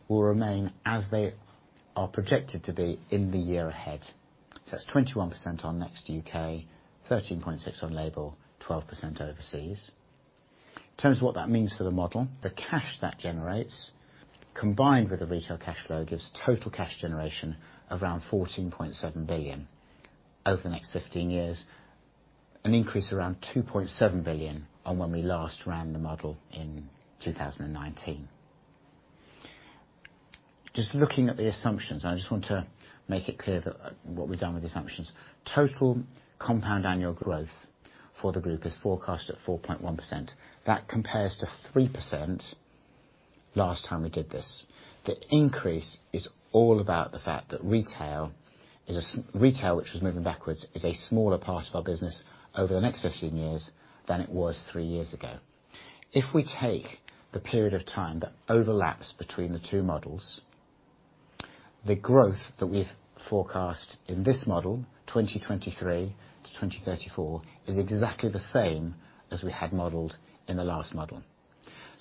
will remain as they are projected to be in the year ahead. That's 21% on NEXT UK, 13.6% on LABEL, 12% Overseas. In terms of what that means for the model, the cash that generates, combined with the retail cash flow, gives total cash generation of around 14.7 billion over the next 15 years, an increase of around 2.7 billion on when we last ran the model in 2019. Just looking at the assumptions, I just want to make it clear that what we've done with the assumptions. Total compound annual growth for the group is forecast at 4.1%. That compares to 3% last time we did this. The increase is all about the fact that retail, which was moving backwards, is a smaller part of our business over the next 15 years than it was three years ago. If we take the period of time that overlaps between the two models, the growth that we've forecast in this model, 2023 to 2034, is exactly the same as we had modeled in the last model.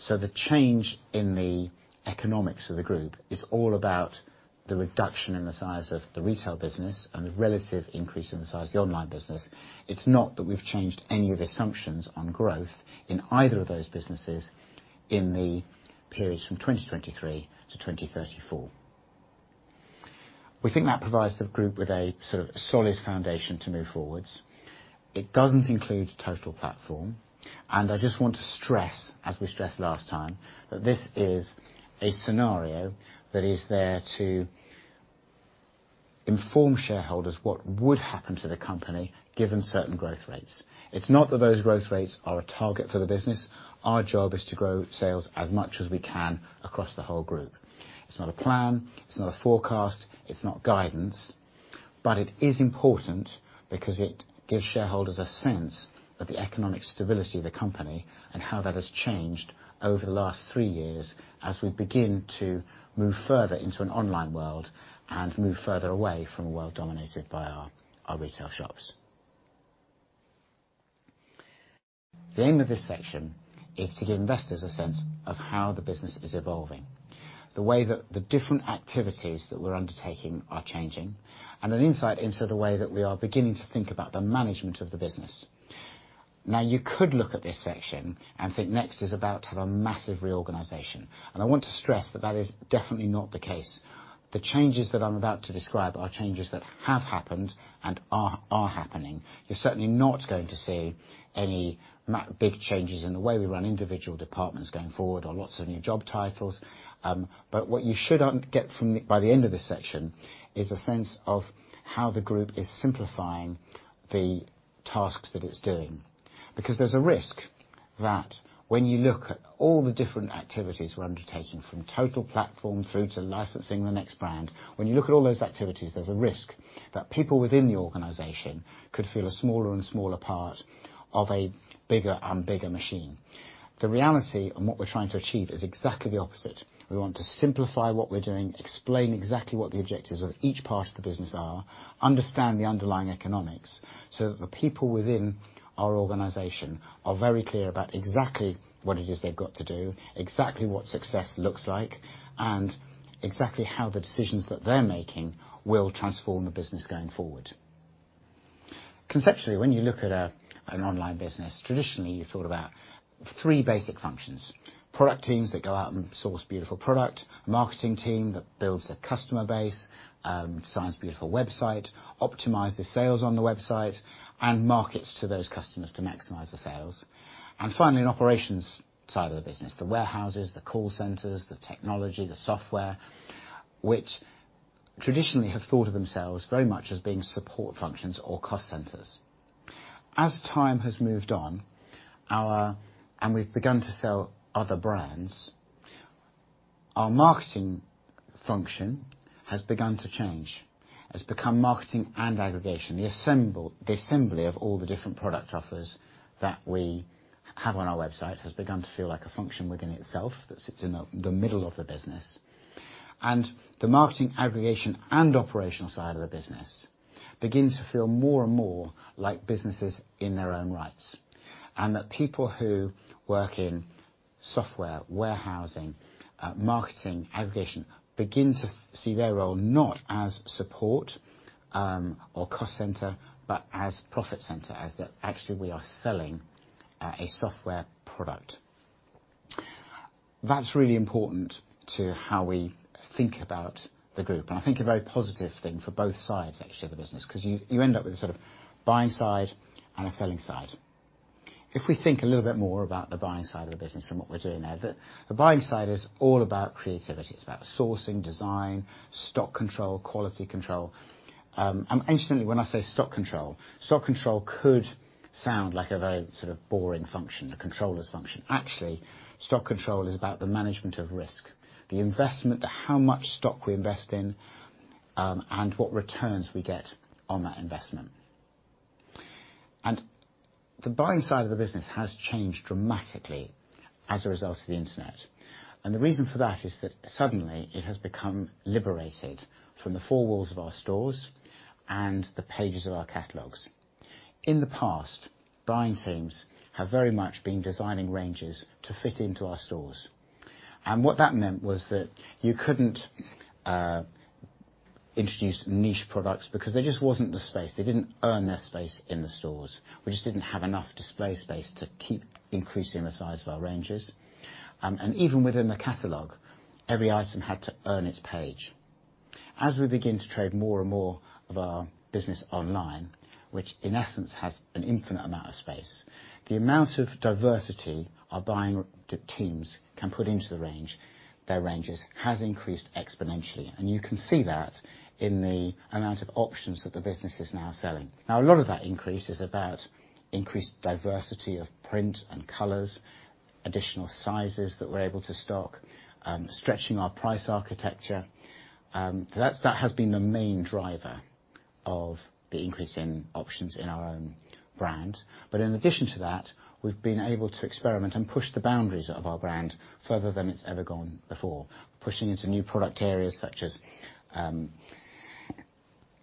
The change in the economics of the group is all about the reduction in the size of the retail business and the relative increase in the size of the online business. It's not that we've changed any of the assumptions on growth in either of those businesses in the periods from 2023 to 2034. We think that provides the group with a sort of solid foundation to move forwards. It doesn't include Total Platform, and I just want to stress, as we stressed last time, that this is a scenario that is there to inform shareholders what would happen to the company given certain growth rates. It's not that those growth rates are a target for the business. Our job is to grow sales as much as we can across the whole group. It's not a plan, it's not a forecast, it's not guidance, but it is important because it gives shareholders a sense of the economic stability of the company and how that has changed over the last three years as we begin to move further into an online world and move further away from a world dominated by our retail shops. The aim of this section is to give investors a sense of how the business is evolving, the way that the different activities that we're undertaking are changing, and an insight into the way that we are beginning to think about the management of the business. Now, you could look at this section and think NEXT is about to have a massive reorganization, and I want to stress that that is definitely not the case. The changes that I'm about to describe are changes that have happened and are happening. You're certainly not going to see any big changes in the way we run individual departments going forward or lots of new job titles. What you should get from this by the end of this section is a sense of how the group is simplifying the tasks that it's doing. Because there's a risk that when you look at all the different activities we're undertaking, from Total Platform through to licensing the NEXT brand, when you look at all those activities, there's a risk that people within the organization could feel a smaller and smaller part of a bigger and bigger machine. The reality and what we're trying to achieve is exactly the opposite. We want to simplify what we're doing, explain exactly what the objectives of each part of the business are, understand the underlying economics so that the people within our organization are very clear about exactly what it is they've got to do, exactly what success looks like, and exactly how the decisions that they're making will transform the business going forward. Conceptually, when you look at an online business, traditionally, you thought about three basic functions. Product teams that go out and source beautiful product, marketing team that builds the customer base, designs a beautiful website, optimizes sales on the website, and markets to those customers to maximize the sales. Finally, an operations side of the business, the warehouses, the call centers, the technology, the software, which traditionally have thought of themselves very much as being support functions or cost centers. As time has moved on, and we've begun to sell other brands. Our marketing function has begun to change. It's become marketing and aggregation. The assembly of all the different product offers that we have on our website has begun to feel like a function within itself that sits in the middle of the business. The marketing aggregation and operational side of the business begin to feel more and more like businesses in their own rights. That people who work in software, warehousing, marketing, aggregation, begin to see their role not as support, or cost center, but as profit center, as that actually we are selling a software product. That's really important to how we think about the group, and I think a very positive thing for both sides, actually, of the business, 'cause you end up with a sort of buying side and a selling side. If we think a little bit more about the buying side of the business and what we're doing there, the buying side is all about creativity. It's about sourcing, design, stock control, quality control. Incidentally, when I say stock control, stock control could sound like a very sort of boring function, a controller's function. Actually, stock control is about the management of risk. The investment, how much stock we invest in, and what returns we get on that investment. The buying side of the business has changed dramatically as a result of the internet. The reason for that is that suddenly it has become liberated from the four walls of our stores and the pages of our catalogs. In the past, buying teams have very much been designing ranges to fit into our stores. What that meant was that you couldn't introduce niche products because there just wasn't the space. They didn't earn their space in the stores. We just didn't have enough display space to keep increasing the size of our ranges. Even within the catalog, every item had to earn it's page. As we begin to trade more and more of our business online, which in essence has an infinite amount of space, the amount of diversity our buying teams can put into the range, their ranges, has increased exponentially, and you can see that in the amount of options that the business is now selling. Now a lot of that increase is about increased diversity of print and colors, additional sizes that we're able to stock, stretching our price architecture. That has been the main driver of the increase in options in our own brand. In addition to that, we've been able to experiment and push the boundaries of our brand further than it's ever gone before, pushing into new product areas such as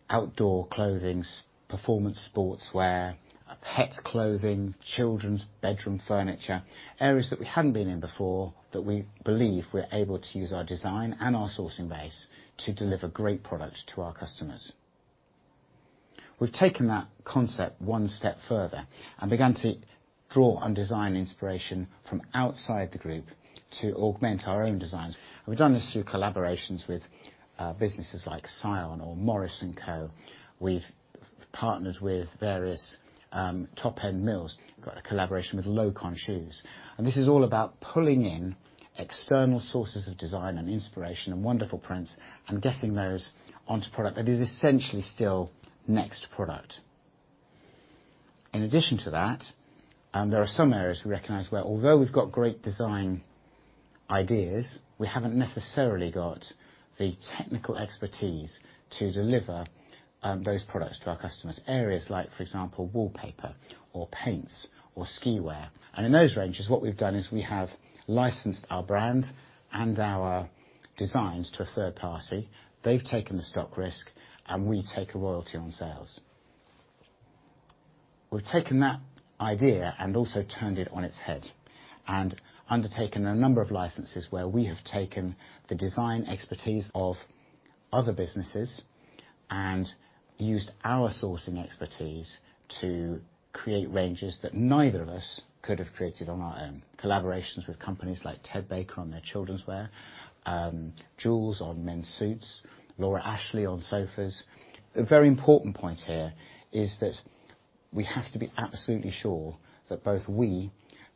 outdoor clothings, performance sportswear, pets clothing, children's bedroom furniture. Areas that we hadn't been in before that we believe we're able to use our design and our sourcing base to deliver great product to our customers. We've taken that concept one step further and begun to draw on design inspiration from outside the group to augment our own designs. We've done this through collaborations with businesses like Scion or Morris & Co. We've partnered with various top-end mills. Got a collaboration with Loake on shoes. This is all about pulling in external sources of design and inspiration and wonderful prints and getting those onto product that is essentially still NEXT product. In addition to that, there are some areas we recognize where although we've got great design ideas, we haven't necessarily got the technical expertise to deliver those products to our customers, areas like, for example, wallpaper or paints or ski wear. In those ranges, what we've done is we have licensed our brand and our designs to a third party. They've taken the stock risk, and we take a royalty on sales. We've taken that idea and also turned it on it's head and undertaken a number of licenses where we have taken the design expertise of other businesses and used our sourcing expertise to create ranges that neither of us could have created on our own. Collaborations with companies like Ted Baker on their childrenswear, Joules on men's suits, Laura Ashley on sofas. A very important point here is that we have to be absolutely sure that both we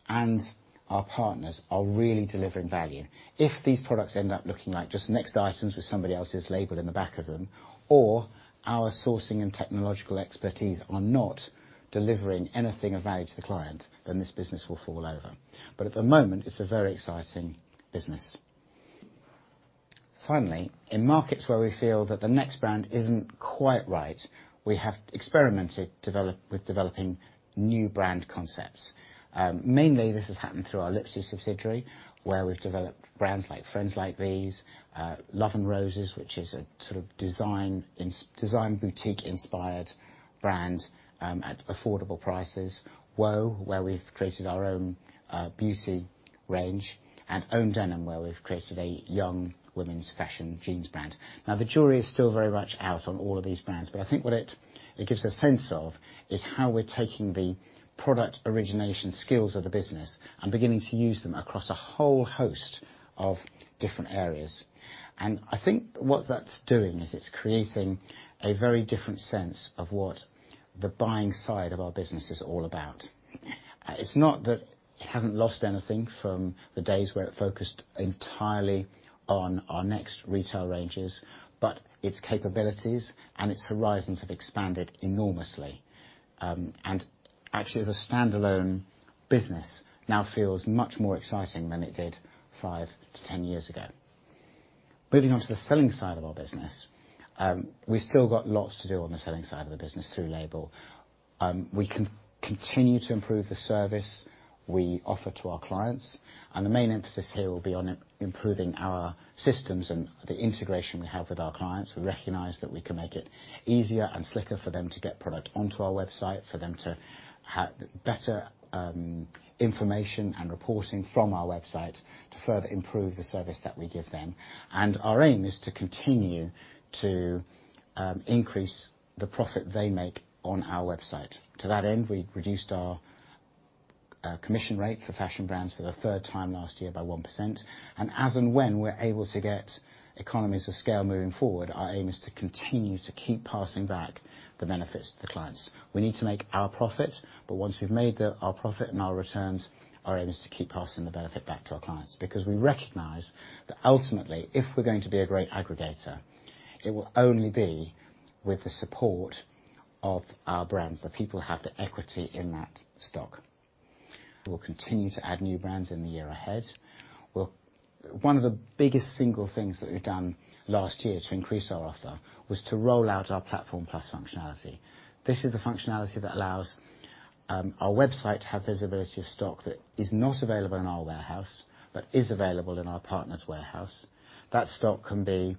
and our partners are really delivering value. If these products end up looking like just NEXT items with somebody else's LABEL in the back of them or our sourcing and technological expertise are not delivering anything of value to the client, then this business will fall over. At the moment, it's a very exciting business. Finally, in markets where we feel that the NEXT brand isn't quite right, we have experimented with developing new brand concepts. Mainly this has happened through our Lipsy subsidiary, where we've developed brands like Friends Like These, Love & Roses, which is a sort of design boutique inspired brand, at affordable prices, Woah, where we've created our own, beauty range, and OWN Denim, where we've created a young women's fashion jeans brand. Now, the jury is still very much out on all of these brands, but I think what it gives a sense of is how we're taking the product origination skills of the business and beginning to use them across a whole host of different areas. I think what that's doing is it's creating a very different sense of what the buying side of our business is all about. It's not that it hasn't lost anything from the days where it focused entirely on our NEXT retail ranges, but it's capabilities and it's horizons have expanded enormously. Actually, as a standalone business now feels much more exciting than it did five to 10 years ago. Moving on to the selling side of our business, we've still got lots to do on the selling side of the business through LABEL. We can continue to improve the service we offer to our clients, and the main emphasis here will be on improving our systems and the integration we have with our clients. We recognize that we can make it easier and slicker for them to get product onto our website, for them to have better information and reporting from our website to further improve the service that we give them. Our aim is to continue to increase the profit they make on our website. To that end, we reduced our commission rate for fashion brands for the third time last year by 1%. As and when we're able to get economies of scale moving forward, our aim is to continue to keep passing back the benefits to the clients. We need to make our profit, but once we've made our profit and our returns, our aim is to keep passing the benefit back to our clients. Because we recognize that ultimately, if we're going to be a great aggregator, it will only be with the support of our brands, the people have the equity in that stock. We will continue to add new brands in the year ahead. One of the biggest single things that we've done last year to increase our offer was to roll out our Platform Plus functionality. This is the functionality that allows our website to have visibility of stock that is not available in our warehouse but is available in our partner's warehouse. That stock can be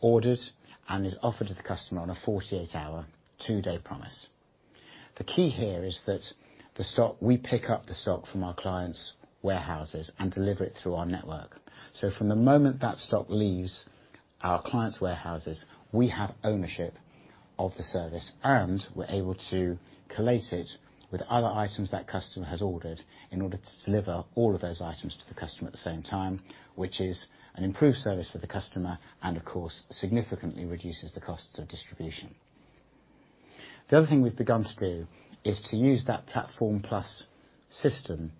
ordered and is offered to the customer on a 48-hour, two-day promise. The key here is that we pick up the stock from our clients' warehouses and deliver it through our network. From the moment that stock leaves our clients' warehouses, we have ownership of the service, and we're able to collate it with other items that the customer has ordered in order to deliver all of those items to the customer at the same time, which is an improved service for the customer and of course, significantly reduces the costs of distribution. The other thing we've begun to do is to use that Platform Plus system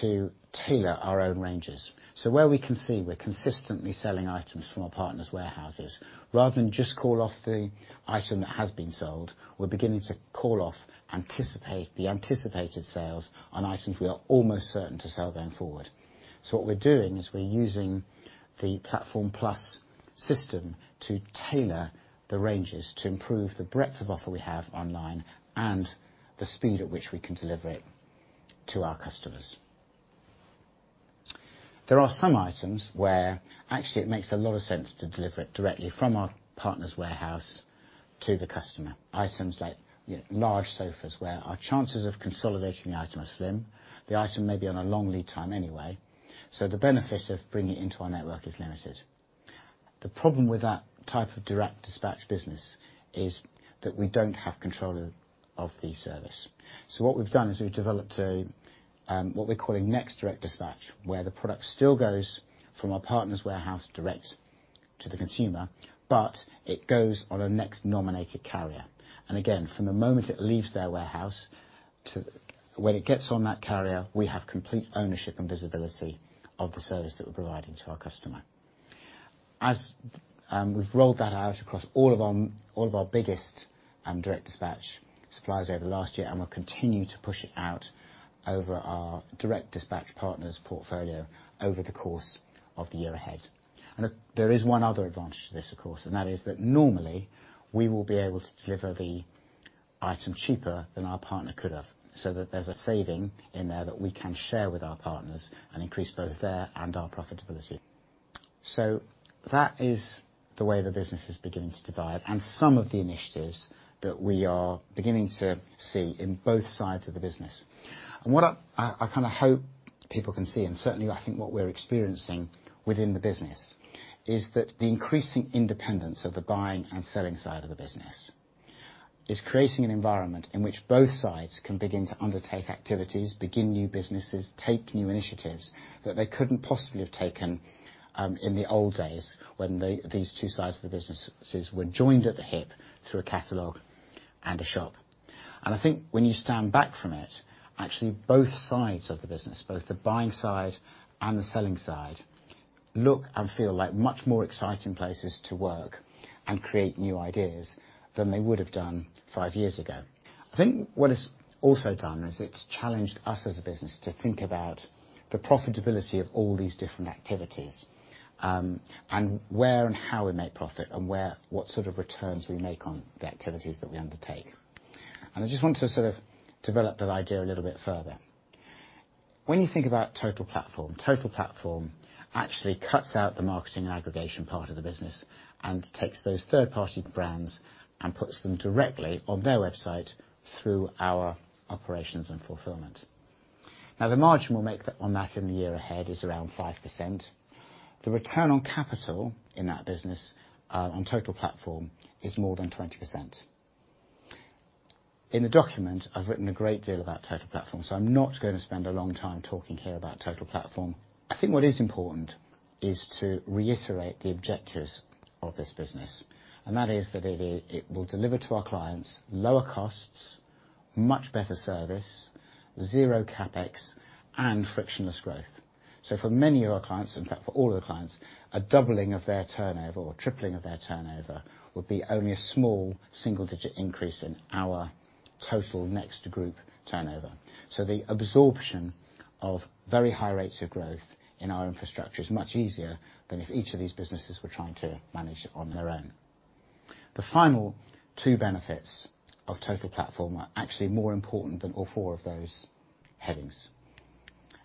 to tailor our own ranges. Where we can see we're consistently selling items from our partners' warehouses, rather than just call off the item that has been sold, we're beginning to call off in anticipation of the anticipated sales on items we are almost certain to sell going forward. What we're doing is we're using the Platform Plus system to tailor the ranges, to improve the breadth of offer we have online and the speed at which we can deliver it to our customers. There are some items where actually it makes a lot of sense to deliver it directly from our partner's warehouse to the customer. Items like, you know, large sofas where our chances of consolidating the item are slim. The item may be on a long lead time anyway, so the benefit of bringing it into our network is limited. The problem with that type of direct dispatch business is that we don't have control of the service. What we've done is we've developed a what we're calling NEXT Direct Dispatch, where the product still goes from our partner's warehouse direct to the consumer, but it goes on a NEXT nominated carrier. Again, from the moment it leaves their warehouse to when it gets on that carrier, we have complete ownership and visibility of the service that we're providing to our customer. As we've rolled that out across all of our biggest direct dispatch suppliers over the last year and will continue to push it out over our direct dispatch partners portfolio over the course of the year ahead. There is one other advantage to this, of course, and that is that normally we will be able to deliver the item cheaper than our partner could have, so that there's a saving in there that we can share with our partners and increase both their and our profitability. That is the way the business is beginning to divide and some of the initiatives that we are beginning to see in both sides of the business. What I kinda hope people can see, and certainly I think what we're experiencing within the business, is that the increasing independence of the buying and selling side of the business is creating an environment in which both sides can begin to undertake activities, begin new businesses, take new initiatives that they couldn't possibly have taken, in the old days when they, these two sides of the businesses were joined at the hip through a catalog and a shop. I think when you stand back from it, actually, both sides of the business, both the buying side and the selling side, look and feel like much more exciting places to work and create new ideas than they would have done five years ago. I think what it's also done is it's challenged us as a business to think about the profitability of all these different activities, and where and how we make profit and where, what sort of returns we make on the activities that we undertake. I just want to sort of develop that idea a little bit further. When you think about Total Platform, Total Platform actually cuts out the marketing and aggregation part of the business and takes those third-party brands and puts them directly on their website through our operations and fulfillment. The margin we'll make on that in the year ahead is around 5%. The return on capital in that business on Total Platform is more than 20%. In the document, I've written a great deal about Total Platform, so I'm not gonna spend a long time talking here about Total Platform. I think what is important is to reiterate the objectives of this business, and that is that it will deliver to our clients lower costs, much better service, zero CapEx, and frictionless growth. For many of our clients, in fact, for all of the clients, a doubling of their turnover or tripling of their turnover would be only a small single-digit increase in our total NEXT Group turnover. The absorption of very high rates of growth in our infrastructure is much easier than if each of these businesses were trying to manage it on their own. The final two benefits of Total Platform are actually more important than all four of those headings.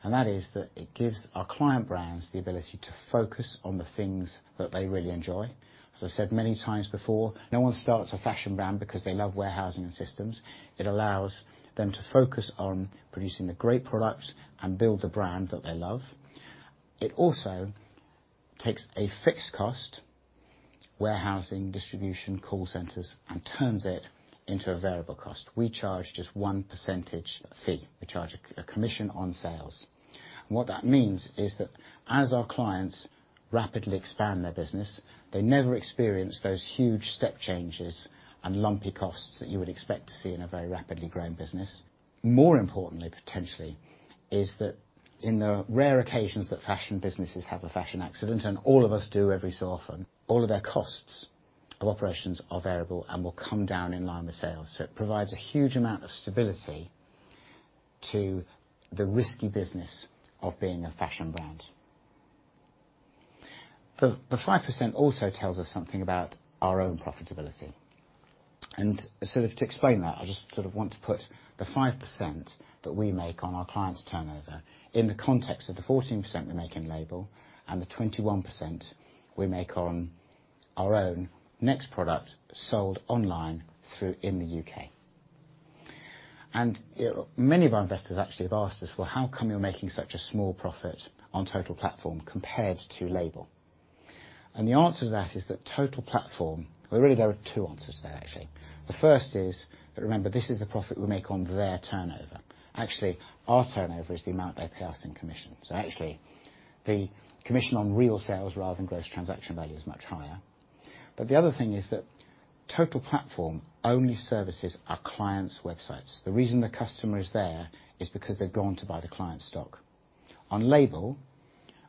That is that it gives our client brands the ability to focus on the things that they really enjoy. As I've said many times before, no one starts a fashion brand because they love warehousing and systems. It allows them to focus on producing the great products and build the brand that they love. It also takes a fixed cost, warehousing, distribution, call centers, and turns it into a variable cost. We charge just one percentage fee. We charge a commission on sales. What that means is that as our clients rapidly expand their business, they never experience those huge step changes and lumpy costs that you would expect to see in a very rapidly growing business. More importantly, potentially, is that in the rare occasions that fashion businesses have a fashion accident, and all of us do every so often, all of their costs of operations are variable and will come down in line with sales. It provides a huge amount of stability to the risky business of being a fashion brand. The five percent also tells us something about our own profitability. To explain that, I just sort of want to put the 5% that we make on our clients' turnover in the context of the 14% we make in LABEL, and the 21% we make on our own NEXT product sold online in the UK. Many of our investors actually have asked us, "Well, how come you're making such a small profit on Total Platform compared to LABEL?" The answer to that is that Total Platform. Well, really there are two answers there, actually. The first is, remember, this is the profit we make on their turnover. Actually, our turnover is the amount they pay us in commission. So actually, the commission on real sales rather than gross transaction value is much higher. The other thing is that Total Platform only services our clients' websites. The reason the customer is there is because they've gone to buy the client stock. On LABEL,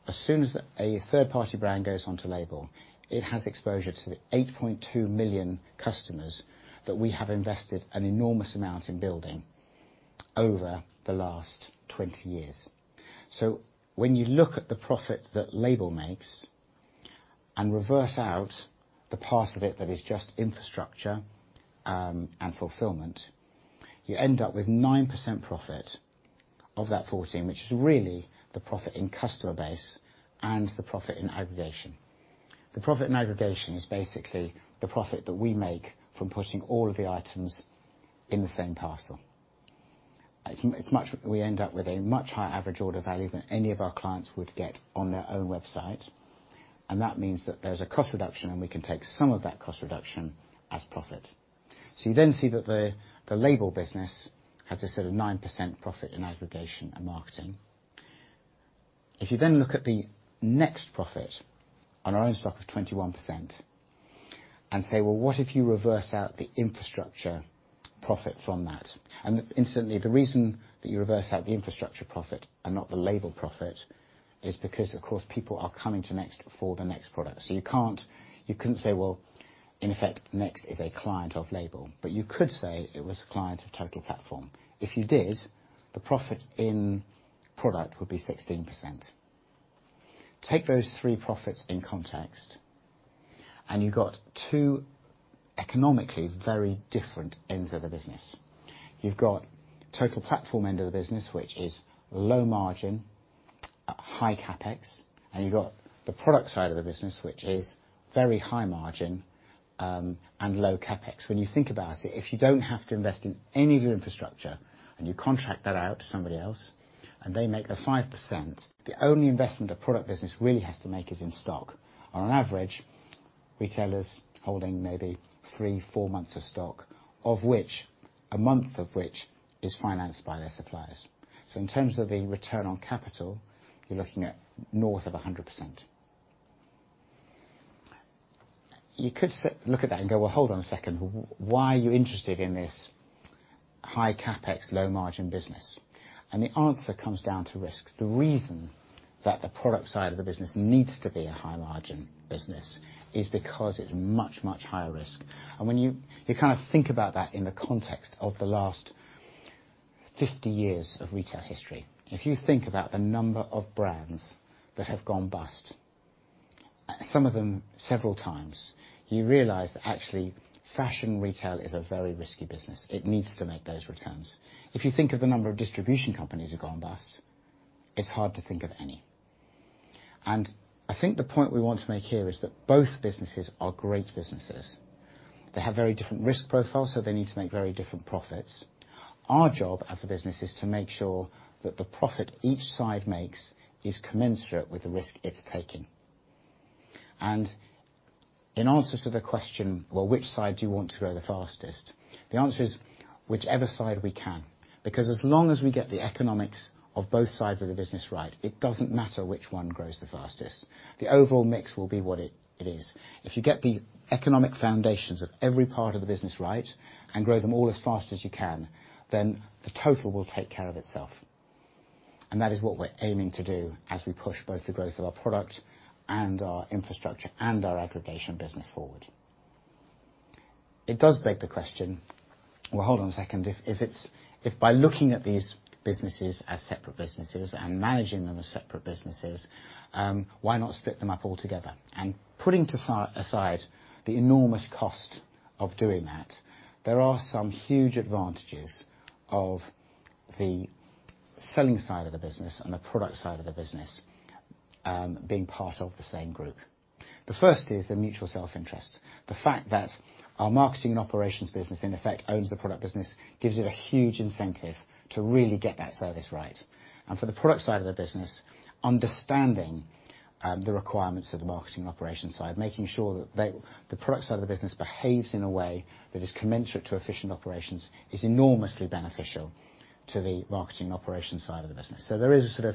as soon as a third-party brand goes onto LABEL, it has exposure to the 8.2 million customers that we have invested an enormous amount in building over the last 20 years. When you look at the profit that LABEL makes and reverse out the part of it that is just infrastructure, and fulfillment, you end up with 9% profit of that 14%, which is really the profit in customer base and the profit in aggregation. The profit in aggregation is basically the profit that we make from putting all of the items in the same parcel. It's much. We end up with a much higher average order value than any of our clients would get on their own website, and that means that there's a cost reduction, and we can take some of that cost reduction as profit. You then see that the LABEL business has a sort of 9% profit in aggregation and marketing. If you then look at the NEXT profit on our own stock of 21% and say, "Well, what if you reverse out the infrastructure profit from that?" Incidentally, the reason that you reverse out the infrastructure profit and not the LABEL profit is because, of course, people are coming to NEXT for the NEXT product. You can't. You couldn't say, well, in effect, NEXT is a client of LABEL. You could say it was a client of Total Platform. If you did, the profit in product would be 16%. Take those three profits in context, and you've got two economically very different ends of the business. You've got Total Platform end of the business, which is low margin, high CapEx, and you've got the product side of the business, which is very high margin, and low CapEx. When you think about it, if you don't have to invest in any of your infrastructure and you contract that out to somebody else, and they make the 5%, the only investment a product business really has to make is in stock. On average, retailers holding maybe three, four months of stock, of which a month of which is financed by their suppliers. So in terms of the return on capital, you're looking at north of 100%. You could look at that and go, "Well, hold on a second. Why are you interested in this high CapEx, low margin business?" The answer comes down to risk. The reason that the product side of the business needs to be a high margin business is because it's much, much higher risk. When you kind of think about that in the context of the last 50 years of retail history. If you think about the number of brands that have gone bust, some of them several times, you realize that actually fashion retail is a very risky business. It needs to make those returns. If you think of the number of distribution companies that have gone bust, it's hard to think of any. I think the point we want to make here is that both businesses are great businesses. They have very different risk profiles, so they need to make very different profits. Our job as a business is to make sure that the profit each side makes is commensurate with the risk it's taking. In answer to the question, well, which side do you want to grow the fastest? The answer is whichever side we can, because as long as we get the economics of both sides of the business right, it doesn't matter which one grows the fastest. The overall mix will be what it is. If you get the economic foundations of every part of the business right and grow them all as fast as you can, then the total will take care of itself. That is what we're aiming to do as we push both the growth of our product and our infrastructure and our aggregation business forward. It does beg the question. Well, hold on a second. If by looking at these businesses as separate businesses and managing them as separate businesses, why not split them up altogether? Putting to set aside the enormous cost of doing that, there are some huge advantages of the selling side of the business and the product side of the business being part of the same group. The first is the mutual self-interest. The fact that our marketing operations business in effect owns the product business gives it a huge incentive to really get that service right. For the product side of the business, understanding the requirements of the marketing operations side, making sure that the product side of the business behaves in a way that is commensurate to efficient operations is enormously beneficial to the marketing operations side of the business. There is a sort of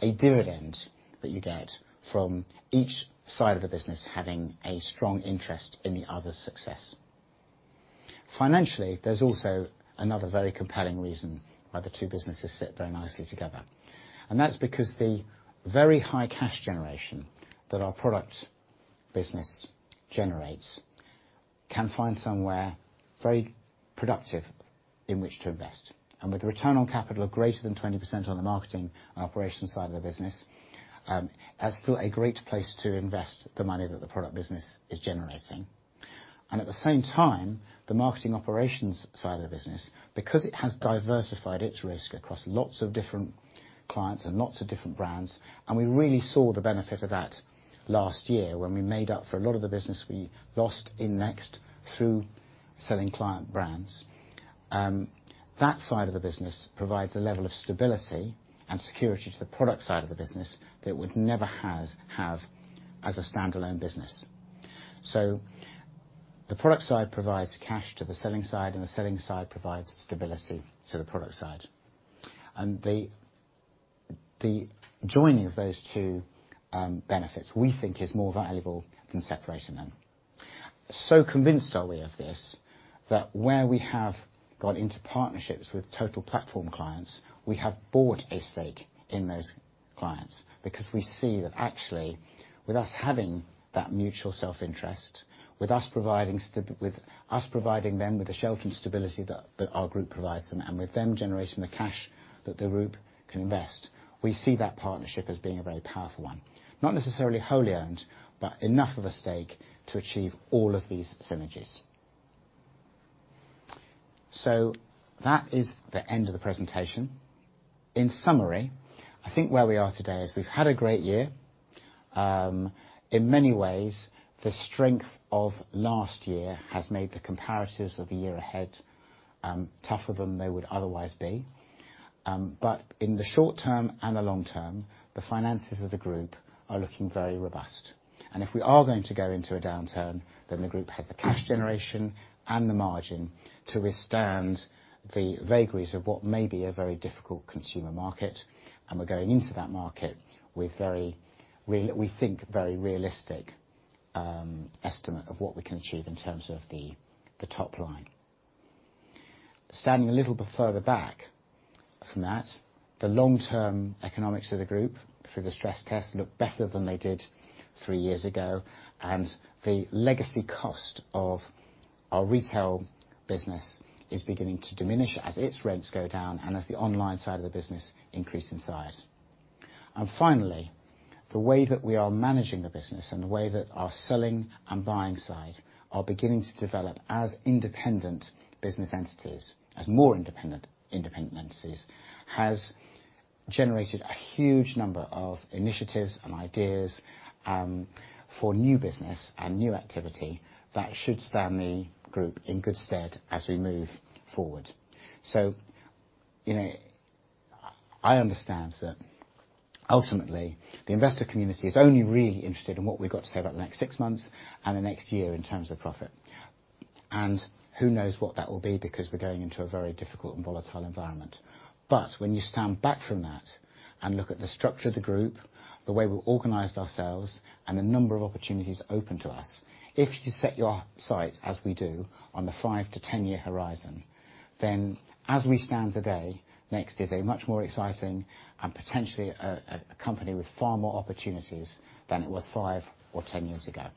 a dividend that you get from each side of the business having a strong interest in the other's success. Financially, there's also another very compelling reason why the two businesses sit very nicely together, and that's because the very high cash generation that our product business generates can find somewhere very productive in which to invest. With return on capital of greater than 20% on the marketing operations side of the business, that's still a great place to invest the money that the product business is generating. At the same time, the marketing operations side of the business, because it has diversified it's risk across lots of different clients and lots of different brands, and we really saw the benefit of that last year when we made up for a lot of the business we lost in NEXT through selling client brands. That side of the business provides a level of stability and security to the product side of the business that it would never have as a standalone business. The product side provides cash to the selling side, and the selling side provides stability to the product side. The joining of those two benefits, we think is more valuable than separating them. Convinced are we of this, that where we have got into partnerships with Total Platform clients, we have bought a stake in those clients because we see that actually, with us having that mutual self-interest, with us providing them with the shelter and stability that our group provides them, and with them generating the cash that the group can invest, we see that partnership as being a very powerful one. Not necessarily wholly owned, but enough of a stake to achieve all of these synergies. That is the end of the presentation. In summary, I think where we are today is we've had a great year. In many ways, the strength of last year has made the comparatives of the year ahead tougher than they would otherwise be. In the short term and the long term, the finances of the group are looking very robust. If we are going to go into a downturn, then the group has the cash generation and the margin to withstand the vagaries of what may be a very difficult consumer market. We're going into that market with very realistic estimate of what we can achieve in terms of the top line. Standing a little bit further back from that, the long-term economics of the group through the stress test look better than they did three years ago, and the legacy cost of our retail business is beginning to diminish as it's rents go down and as the online side of the business increase in size. Finally, the way that we are managing the business and the way that our selling and buying side are beginning to develop as independent business entities, as more independent entities, has generated a huge number of initiatives and ideas for new business and new activity that should stand the group in good stead as we move forward. You know, I understand that ultimately, the investor community is only really interested in what we've got to say about the next six months and the next year in terms of profit. Who knows what that will be because we're going into a very difficult and volatile environment. When you stand back from that and look at the structure of the group, the way we've organized ourselves, and the number of opportunities open to us, if you set your sights as we do on the five to 10-year horizon, then as we stand today, NEXT is a much more exciting and potentially a company with far more opportunities than it was five or 10 years ago.